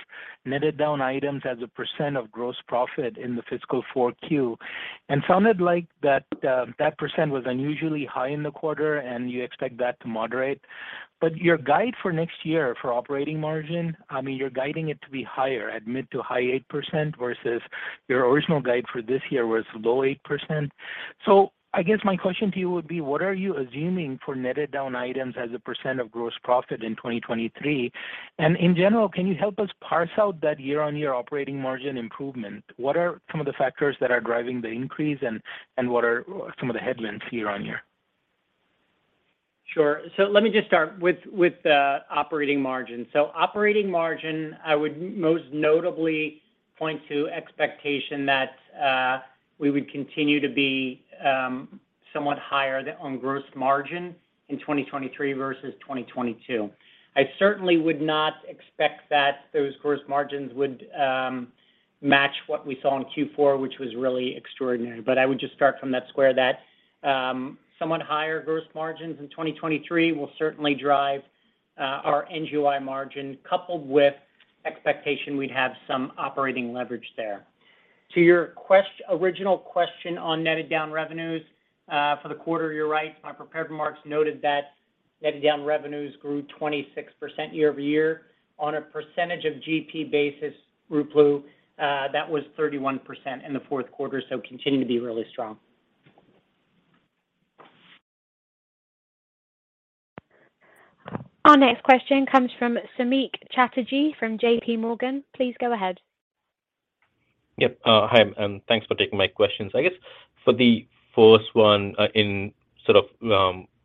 netted down items as a percent of gross profit in the fiscal Q4? It sounded like that percent was unusually high in the quarter, and you expect that to moderate. Your guide for next year for operating margin, I mean, you're guiding it to be higher at mid-to-high 8% versus your original guide for this year was low 8%. I guess my question to you would be, what are you assuming for netted down items as a percent of gross profit in 2023? In general, can you help us parse out that year-on-year operating margin improvement? What are some of the factors that are driving the increase and what are some of the headwinds year-on-year? Sure. Let me just start with the operating margin. Operating margin, I would most notably point to expectation that we would continue to be somewhat higher on gross margin in 2023 versus 2022. I certainly would not expect that those gross margins would match what we saw in Q4, which was really extraordinary. I would just start from that square that somewhat higher gross margins in 2023 will certainly drive our NGOI margin coupled with expectation we'd have some operating leverage there. To your original question on netted down revenues for the quarter, you're right. My prepared remarks noted that netted down revenues grew 26% year-over-year. On a percentage of GP basis, Ruplu, that was 31% in the fourth quarter, continue to be really strong. Our next question comes from Samik Chatterjee from J.P. Morgan. Please go ahead. Yep. Hi, thanks for taking my questions. I guess for the first one, in sort of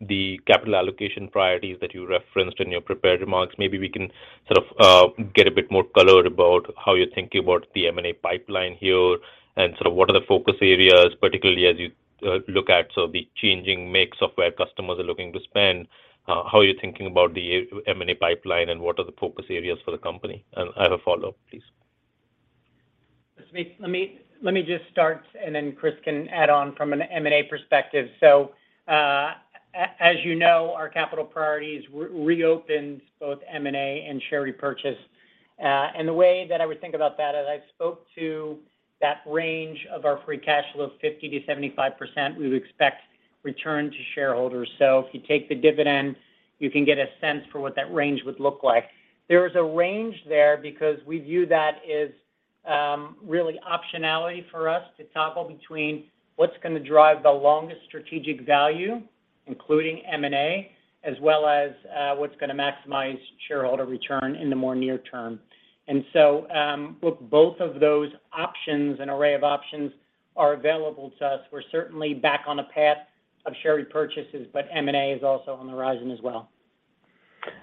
the capital allocation priorities that you referenced in your prepared remarks, maybe we can sort of get a bit more color about how you're thinking about the M&A pipeline here and sort of what are the focus areas, particularly as you look at sort of the changing mix of where customers are looking to spend, how you're thinking about the M&A pipeline and what are the focus areas for the company? I have a follow-up, please. Samik, let me just start, then Christine can add on from an M&A perspective. As you know, our capital priorities reopens both M&A and share repurchase. The way that I would think about that, as I spoke to that range of our free cash flow of 50%-75%, we would expect return to shareholders. If you take the dividend, you can get a sense for what that range would look like. There is a range there because we view that as really optionality for us to toggle between what's gonna drive the longest strategic value, including M&A, as well as what's gonna maximize shareholder return in the more near term. Look, both of those options and array of options are available to us. We're certainly back on a path of share repurchases, but M&A is also on the horizon as well.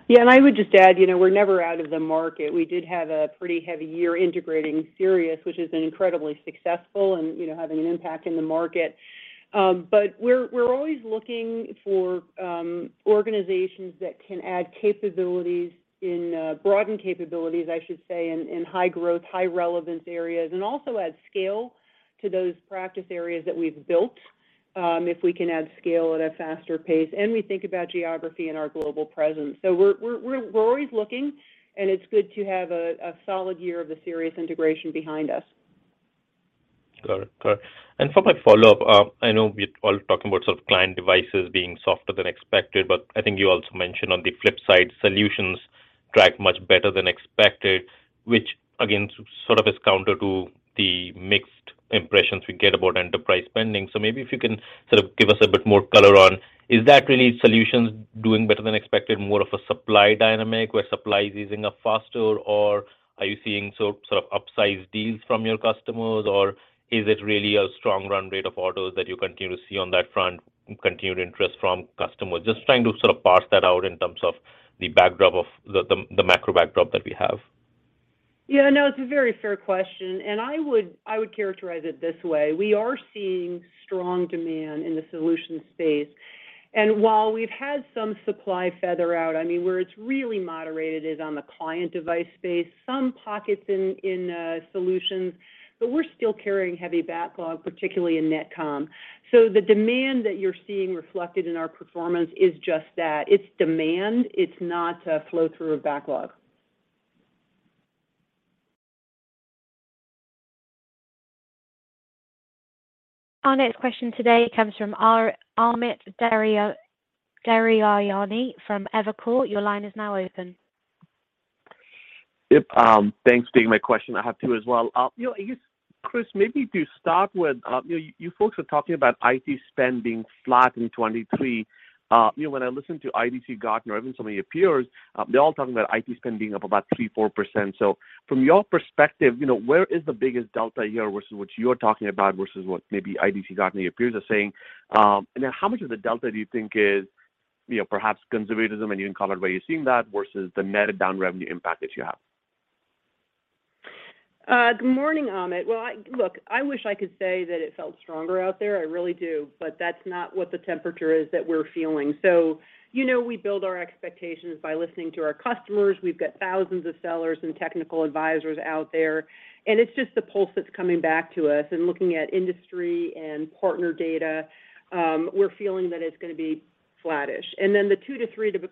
Yeah. I would just add, you know, we're never out of the market. We did have a pretty heavy year integrating Sirius, which has been incredibly successful and, you know, having an impact in the market. We're always looking for organizations that can add capabilities in broaden capabilities, I should say, in high growth, high relevance areas, and also add scale to those practice areas that we've built, if we can add scale at a faster pace. We think about geography and our global presence. We're always looking, and it's good to have a solid year of the Sirius integration behind us. Got it. Got it. For my follow-up, I know we're all talking about sort of client devices being softer than expected, but I think you also mentioned on the flip side, solutions tracked much better than expected, which again, sort of is counter to the mixed impressions we get about enterprise spending. Maybe if you can sort of give us a bit more color on, is that really solutions doing better than expected, more of a supply dynamic where supply is easing up faster? Or are you seeing sort of upsized deals from your customers? Or is it really a strong run rate of orders that you continue to see on that front, continued interest from customers? Just trying to sort of parse that out in terms of the backdrop of the macro backdrop that we have. Yeah. No, it's a very fair question, and I would, I would characterize it this way. We are seeing strong demand in the solution space. While we've had some supply feather out, I mean, where it's really moderated is on the client device space, some pockets in solutions, but we're still carrying heavy backlog, particularly in NetComm. The demand that you're seeing reflected in our performance is just that. It's demand, it's not a flow-through of backlog. Our next question today comes from Amit Daryanani from Evercore ISI. Your line is now open. Yep. Thanks. Taking my question. I have two as well. You know, I guess, Christine, maybe to start with, you know, you folks are talking about IT spend being flat in 2023. You know, when I listen to IDC, Gartner, even some of your peers, they're all talking about IT spend being up about 3%, 4%. From your perspective, you know, where is the biggest delta here versus what you're talking about versus what maybe IDC, Gartner, your peers are saying? And then how much of the delta do you think is, you know, perhaps conservatism, and you can comment where you're seeing that versus the netted down revenue impact that you have? Good morning, Amit. Well, look, I wish I could say that it felt stronger out there, I really do, but that's not what the temperature is that we're feeling. You know we build our expectations by listening to our customers. We've got thousands of sellers and technical advisors out there, and it's just the pulse that's coming back to us. Looking at industry and partner data, we're feeling that it's gonna be flattish. Then the 200-300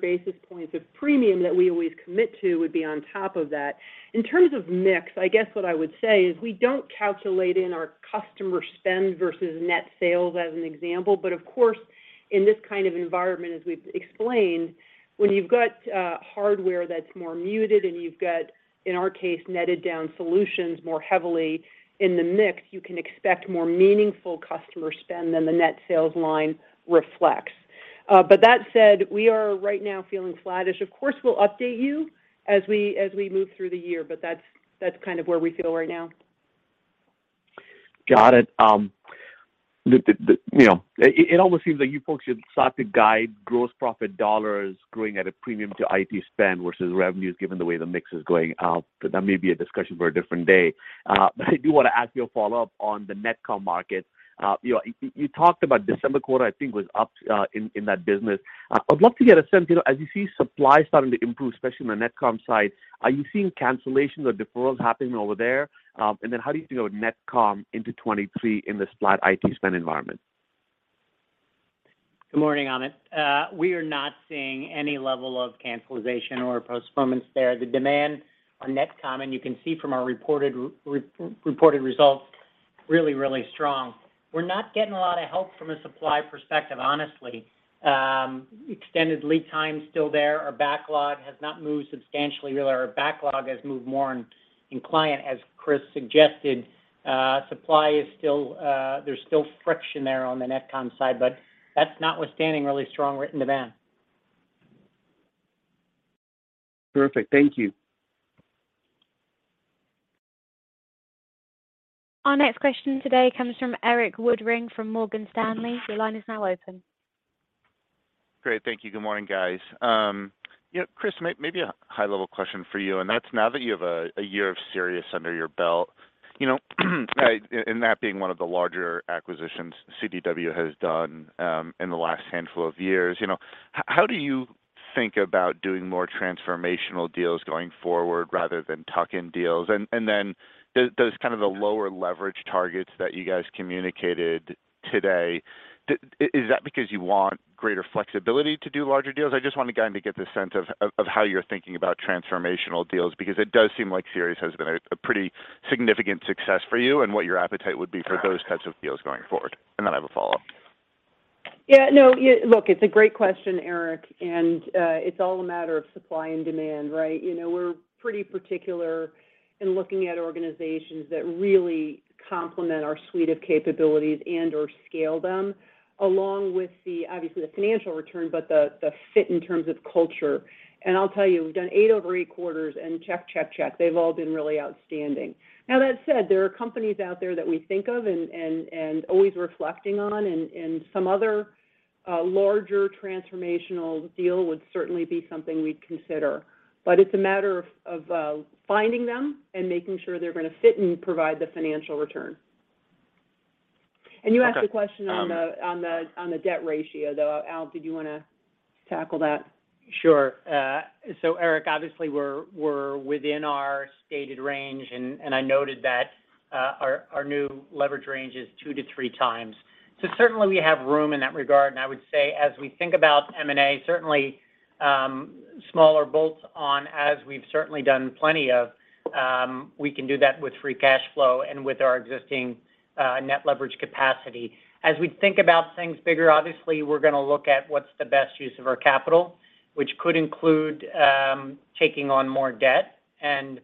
basis points of premium that we always commit to would be on top of that. In terms of mix, I guess what I would say is we don't calculate in our customer spend versus net sales as an example. Of course, in this kind of environment, as we've explained, when you've got hardware that's more muted and you've got, in our case, netted down solutions more heavily in the mix, you can expect more meaningful customer spend than the net sales line reflects. That said, we are right now feeling flattish. Of course, we'll update you as we move through the year, but that's kind of where we feel right now. Got it. You know, it almost seems like you folks should start to guide gross profit dollars growing at a premium to IT spend versus revenues, given the way the mix is going. That may be a discussion for a different day. I do wanna ask you a follow-up on the NetComm market. You know, you talked about December quarter, I think, was up in that business. I'd love to get a sense, you know, as you see supply starting to improve, especially on the NetComm side, are you seeing cancellations or deferrals happening over there? How do you see NetComm into 2023 in this flat IT spend environment? Good morning, Amit. We are not seeing any level of cancellation or postponements there. The demand on NetComm, you can see from our reported results, really strong. We're not getting a lot of help from a supply perspective, honestly. Extended lead time's still there. Our backlog has not moved substantially. Really, our backlog has moved more in client, as Christine suggested. There's still friction there on the NetComm side, that's notwithstanding really strong written demand. Perfect. Thank you. Our next question today comes from Erik Woodring from Morgan Stanley. Your line is now open. Great. Thank you. Good morning, guys. You know, Christine, maybe a high-level question for you, and that's now that you have a year of Sirius under your belt, you know, and that being one of the larger acquisitions CDW has done in the last handful of years, you know, how do you think about doing more transformational deals going forward rather than tuck-in deals? Those kind of the lower leverage targets that you guys communicated today, is that because you want greater flexibility to do larger deals? I just wanna kinda get the sense of how you're thinking about transformational deals, because it does seem like Sirius has been a pretty significant success for you, and what your appetite would be for those types of deals going forward. I have a follow-up. Yeah, no, it's a great question, Erik, it's all a matter of supply and demand, right? You know, we're pretty particular in looking at organizations that really complement our suite of capabilities and/or scale them, along with the, obviously, the financial return, but the fit in terms of culture. I'll tell you, we've done eight over eight quarters, check. They've all been really outstanding. Now that said, there are companies out there that we think of and always reflecting on, some other larger transformational deal would certainly be something we'd consider. It's a matter of finding them and making sure they're gonna fit and provide the financial return. Okay. You asked a question on the debt ratio, though. Albert, did you wanna tackle that? Sure. Erik, obviously, we're within our stated range, and I noted that our new leverage range is two-three times. Certainly we have room in that regard, and I would say as we think about M&A, certainly, smaller bolts on, as we've certainly done plenty of, we can do that with free cash flow and with our existing net leverage capacity. As we think about things bigger, obviously, we're gonna look at what's the best use of our capital, which could include taking on more debt and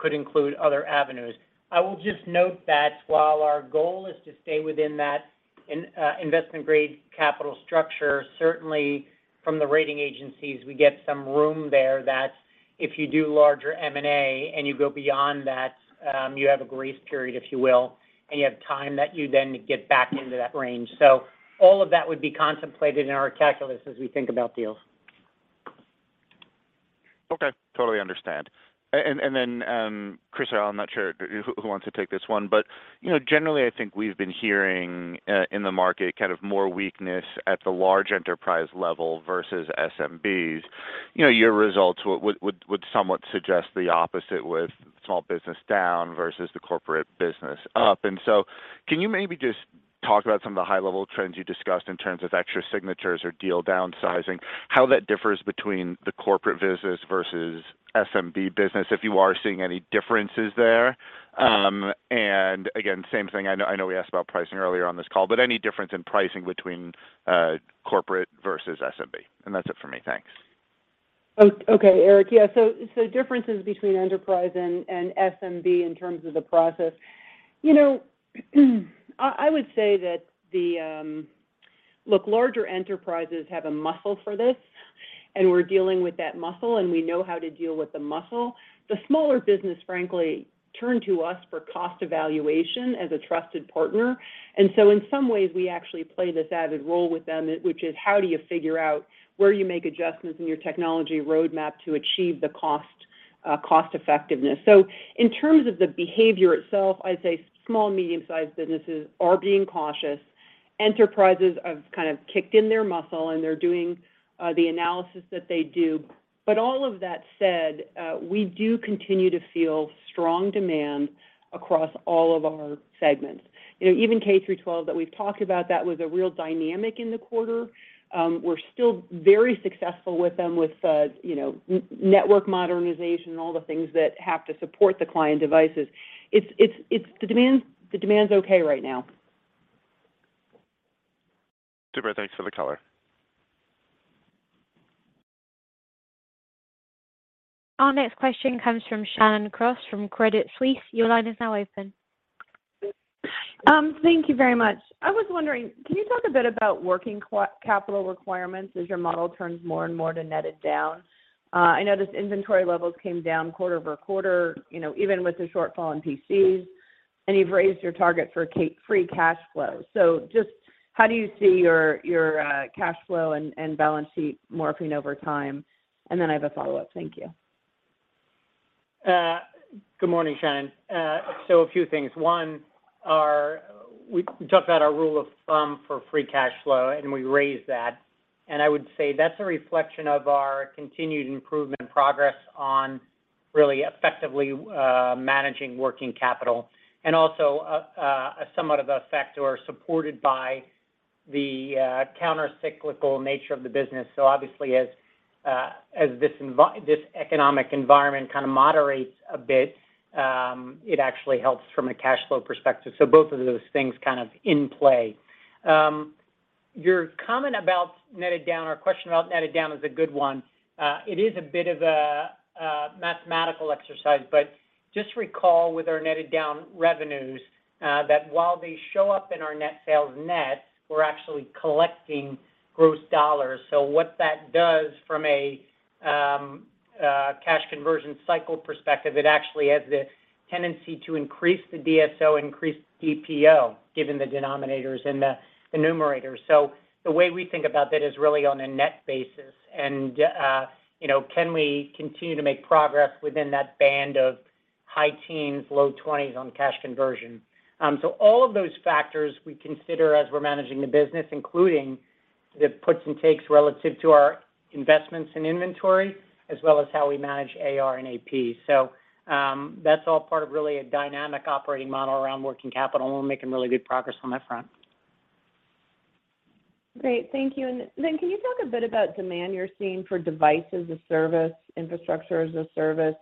could include other avenues. I will just note that while our goal is to stay within that investment-grade capital structure, certainly from the rating agencies, we get some room there that if you do larger M&A and you go beyond that, you have a grace period, if you will, and you have time that you then get back into that range. All of that would be contemplated in our calculus as we think about deals. Okay. Totally understand. Then, Christine or Albert, I'm not sure who wants to take this one, but you know, generally I think we've been hearing in the market kind of more weakness at the large enterprise level versus SMBs. You know, your results would somewhat suggest the opposite with small business down versus the corporate business up. Can you maybe just talk about some of the high-level trends you discussed in terms of extra signatures or deal downsizing, how that differs between the corporate business versus SMB business, if you are seeing any differences there? Again, same thing, I know we asked about pricing earlier on this call, but any difference in pricing between corporate versus SMB? That's it for me. Thanks. Erik. Yeah. Differences between enterprise and SMB in terms of the process. You know, I would say that the Look, larger enterprises have a muscle for this, and we're dealing with that muscle, and we know how to deal with the muscle. The smaller business, frankly, turn to us for cost evaluation as a trusted partner. In some ways, we actually play this added role with them, which is how do you figure out where you make adjustments in your technology roadmap to achieve the cost effectiveness. In terms of the behavior itself, I'd say small, medium-sized businesses are being cautious. Enterprises have kind of kicked in their muscle, and they're doing the analysis that they do. All of that said, we do continue to feel strong demand across all of our segments. You know, even K-12 that we've talked about, that was a real dynamic in the quarter. We're still very successful with them with, you know, network modernization and all the things that have to support the client devices. The demand's okay right now. Super. Thanks for the color. Our next question comes from Shannon Cross from Credit Suisse. Your line is now open. Thank you very much. I was wondering, can you talk a bit about working capital requirements as your model turns more and more to netted down? I noticed inventory levels came down quarter-over-quarter, you know, even with the shortfall in PCs, and you've raised your target for free cash flow. Just how do you see your cash flow and balance sheet morphing over time? I have a follow-up. Thank you. Good morning, Shannon. A few things. One, we talked about our rule of thumb for free cash flow, and we raised that. I would say that's a reflection of our continued improvement progress on really effectively managing working capital and also a somewhat of effect or supported by the countercyclical nature of the business. Obviously as this economic environment kind of moderates a bit, it actually helps from a cash flow perspective. Both of those things kind of in play. Your comment about netted down or question about netted down is a good one. It is a bit of a mathematical exercise, but just recall with our netted down revenues, that while they show up in our net sales net, we're actually collecting gross dollars. What that does from a cash conversion cycle perspective, it actually has the tendency to increase the DSO, increase DPO, given the denominators and the numerators. The way we think about that is really on a net basis and, you know, can we continue to make progress within that band of high teens, low 20s on cash conversion. All of those factors we consider as we're managing the business, including the puts and takes relative to our investments in inventory as well as how we manage AR and AP. That's all part of really a dynamic operating model around working capital, and we're making really good progress on that front. Great. Thank you. Can you talk a bit about demand you're seeing for device as a service, infrastructure as a service?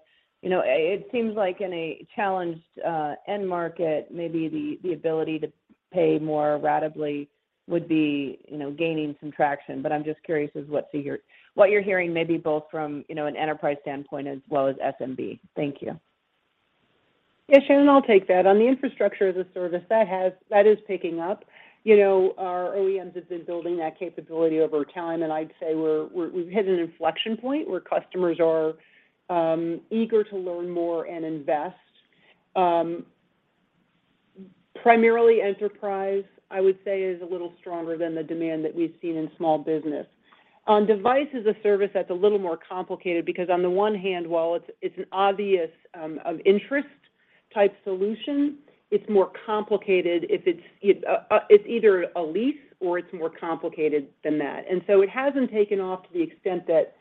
You know, it seems like in a challenged end market, maybe the ability to pay more ratably would be, you know, gaining some traction. I'm just curious as what you're hearing maybe both from, you know, an enterprise standpoint as well as SMB. Thank you. Yeah, Shannon, I'll take that. On the infrastructure as a service, that is picking up. You know, our OEMs have been building that capability over time, and I'd say we've hit an inflection point where customers are eager to learn more and invest. Primarily enterprise, I would say, is a little stronger than the demand that we've seen in small business. On device as a service, that's a little more complicated because on the one hand, while it's an obvious, of interest type solution, it's more complicated if it's either a lease or it's more complicated than that. It hasn't taken off to the extent that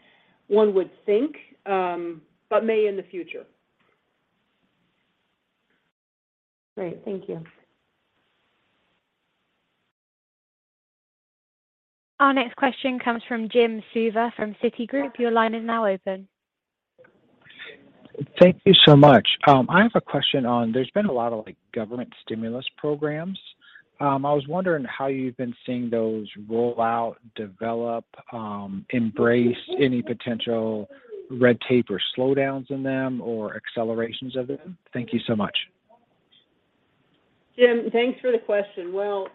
one would think, but may in the future. Great. Thank you. Our next question comes from Jim Suva from Citigroup. Your line is now open. Thank you so much. I have a question on there's been a lot of, like, government stimulus programs. I was wondering how you've been seeing those roll out, develop, embrace any potential red tape or slowdowns in them or accelerations of them. Thank you so much. Jim, thanks for the question. Well,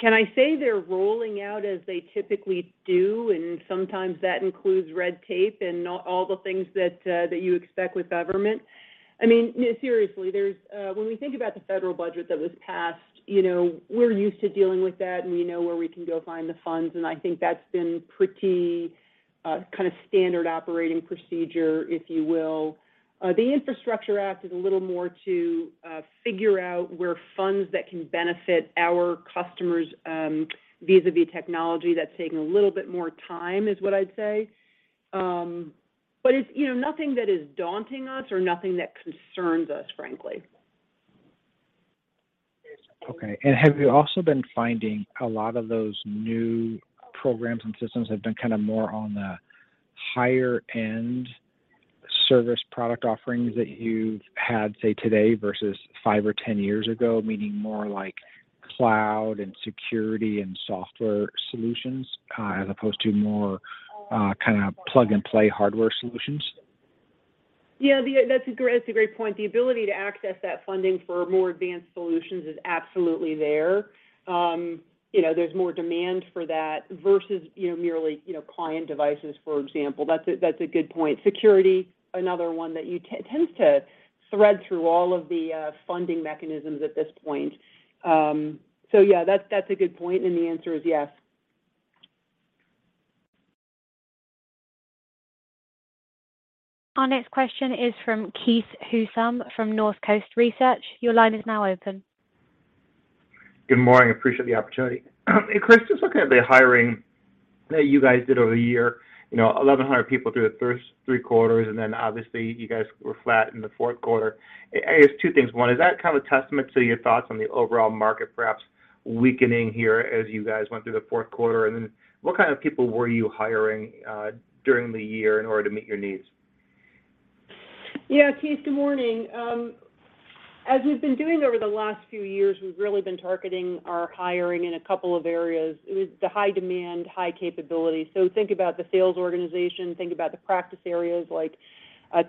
can I say they're rolling out as they typically do, and sometimes that includes red tape and all the things that you expect with government? I mean, no, seriously, there's, when we think about the federal budget that was passed, you know, we're used to dealing with that, and we know where we can go find the funds, and I think that's been pretty, kind of standard operating procedure, if you will. The Infrastructure Act is a little more to figure out where funds that can benefit our customers, vis-à-vis technology. That's taking a little bit more time, is what I'd say. It's, you know, nothing that is daunting us or nothing that concerns us, frankly. Okay. Have you also been finding a lot of those new programs and systems have been kind of more on the higher-end service product offerings that you've had, say, today versus five or 10 years ago? Meaning more like cloud and security and software solutions, as opposed to more, kinda plug-and-play hardware solutions? That's a great point. The ability to access that funding for more advanced solutions is absolutely there. You know, there's more demand for that versus, you know, merely, you know, client devices, for example. That's a good point. Security, another one that tends to thread through all of the funding mechanisms at this point. Yeah, that's a good point, and the answer is yes. Our next question is from Keith Housum from Northcoast Research. Your line is now open. Good morning. I appreciate the opportunity. Christine, just looking at the hiring that you guys did over the year, you know, 1,100 people through the first three quarters, obviously you guys were flat in the fourth quarter. I guess two things. One, is that kind of a testament to your thoughts on the overall market perhaps weakening here as you guys went through the fourth quarter? What kind of people were you hiring during the year in order to meet your needs? Yeah. Keith, good morning. As we've been doing over the last few years, we've really been targeting our hiring in a couple of areas. It was the high demand, high capability. Think about the sales organization, think about the practice areas like,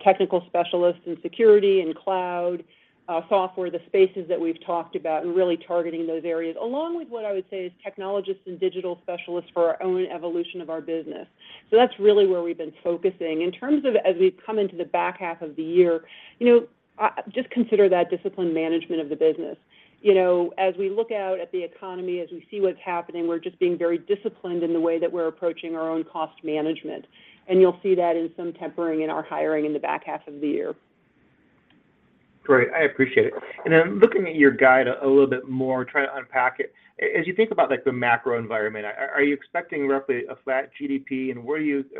technical specialists in security and cloud, software, the spaces that we've talked about, and really targeting those areas, along with what I would say is technologists and digital specialists for our own evolution of our business. That's really where we've been focusing. In terms of as we've come into the back half of the year, you know, just consider that disciplined management of the business. You know, as we look out at the economy, as we see what's happening, we're just being very disciplined in the way that we're approaching our own cost management, and you'll see that in some tempering in our hiring in the back half of the year. Great. I appreciate it. Looking at your guide a little bit more, trying to unpack it. As you think about, like, the macro environment, are you expecting roughly a flat GDP?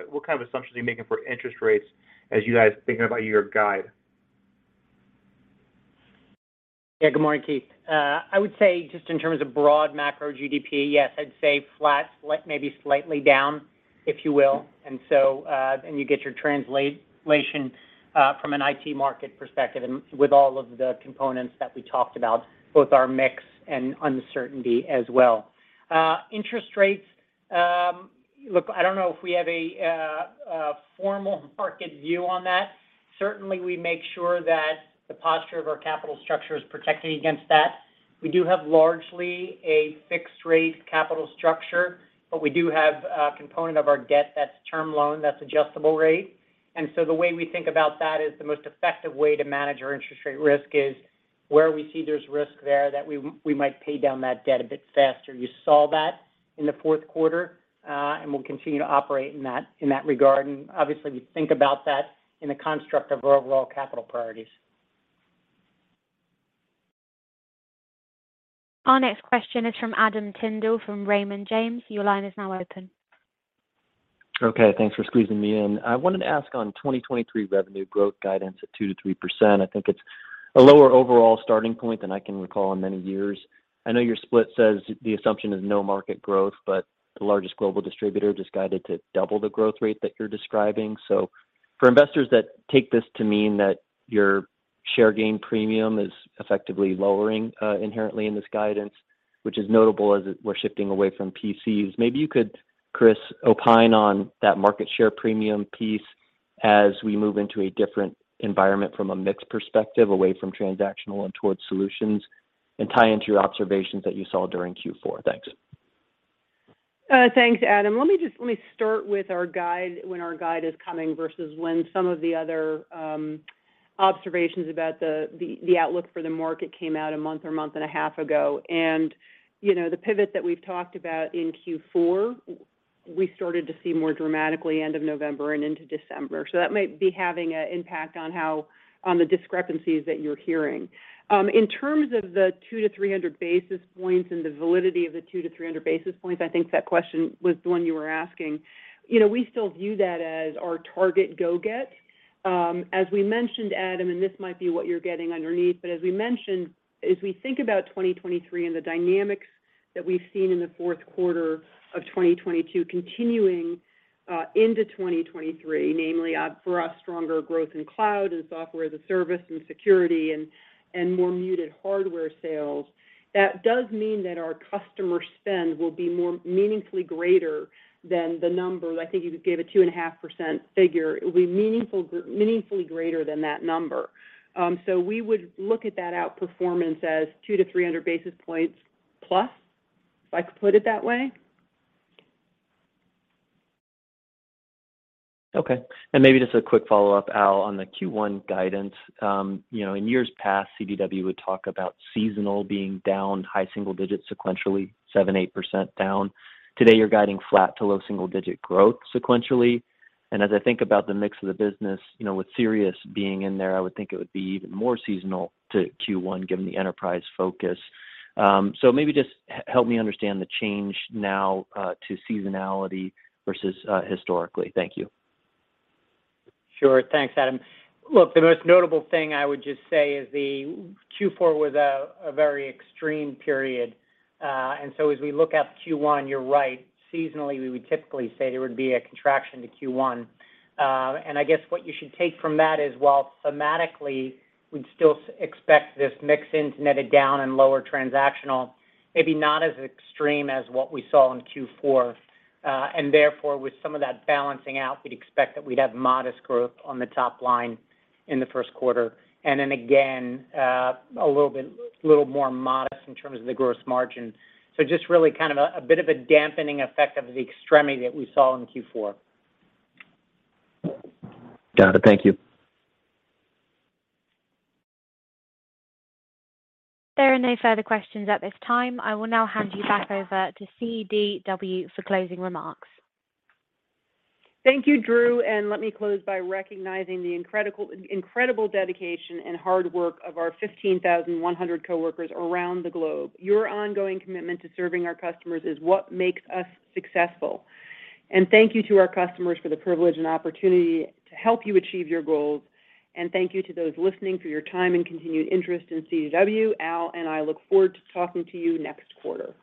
What kind of assumptions are you making for interest rates as you guys are thinking about your guide? Yeah. Good morning, Keith. I would say just in terms of broad macro GDP, yes, I'd say flat, maybe slightly down, if you will. You get your translation, from an IT market perspective and with all of the components that we talked about, both our mix and uncertainty as well. Interest rates, look, I don't know if we have a formal market view on that. Certainly, we make sure that the posture of our capital structure is protected against that. We do have largely a fixed rate capital structure, but we do have a component of our debt that's term loan, that's adjustable rate. The way we think about that is the most effective way to manage our interest rate risk is where we see there's risk there that we might pay down that debt a bit faster. You saw that in the fourth quarter, and we'll continue to operate in that, in that regard. Obviously, we think about that in the construct of our overall capital priorities. Our next question is from Adam Tindle from Raymond James. Your line is now open. Thanks for squeezing me in. I wanted to ask on 2023 revenue growth guidance at 2%-3%. I think it's a lower overall starting point than I can recall in many years. I know your split says the assumption is no market growth, but the largest global distributor just guided to double the growth rate that you're describing. For investors that take this to mean that your share gain premium is effectively lowering, inherently in this guidance, which is notable as we're shifting away from PCs. Maybe you could, Christine, opine on that market share premium piece as we move into a different environment from a mix perspective, away from transactional and towards solutions, and tie into your observations that you saw during Q4. Thanks. Thanks, Adam. Let me start with our guide, when our guide is coming versus when some of the other observations about the outlook for the market came out a month or month and a half ago. The pivot that we've talked about in Q4, we started to see more dramatically end of November and into December. That might be having an impact on the discrepancies that you're hearing. In terms of the 200-300 basis points and the validity of the 200-300 basis points, I think that question was the one you were asking. We still view that as our target go-get. As we mentioned, Adam, and this might be what you're getting underneath, but as we mentioned, as we think about 2023 and the dynamics that we've seen in the fourth quarter of 2022 continuing into 2023, namely, for a stronger growth in cloud and Software-as-a-Service and security and more muted hardware sales, that does mean that our customer spend will be more meaningfully greater than the number. I think you gave a 2.5% figure. It will be meaningfully greater than that number. We would look at that outperformance as 200-300 basis points plus, if I could put it that way. Okay. Maybe just a quick follow-up, Albert, on the Q1 guidance. you know, in years past, CDW would talk about seasonal being down high single digits sequentially, 7%, 8% down. Today, you're guiding flat to low single digit growth sequentially. As I think about the mix of the business, you know, with Sirius being in there, I would think it would be even more seasonal to Q1 given the enterprise focus. So maybe just help me understand the change now to seasonality versus historically. Thank you. Sure. Thanks, Adam. Look, the most notable thing I would just say is the Q4 was a very extreme period. As we look at Q1, you're right. Seasonally, we would typically say there would be a contraction to Q1. I guess what you should take from that is while thematically, we'd still expect this mix into netted down and lower transactional, maybe not as extreme as what we saw in Q4. Therefore, with some of that balancing out, we'd expect that we'd have modest growth on the top line in the first quarter. Again, a little bit more modest in terms of the gross margin. Just really kind of a bit of a dampening effect of the extremity that we saw in Q4. Got it. Thank you. There are no further questions at this time. I will now hand you back over to CDW for closing remarks. Thank you, Drew. Let me close by recognizing the incredible dedication and hard work of our 15,100 coworkers around the globe. Your ongoing commitment to serving our customers is what makes us successful. Thank you to our customers for the privilege and opportunity to help you achieve your goals. Thank you to those listening for your time and continued interest in CDW. Albert and I look forward to talking to you next quarter.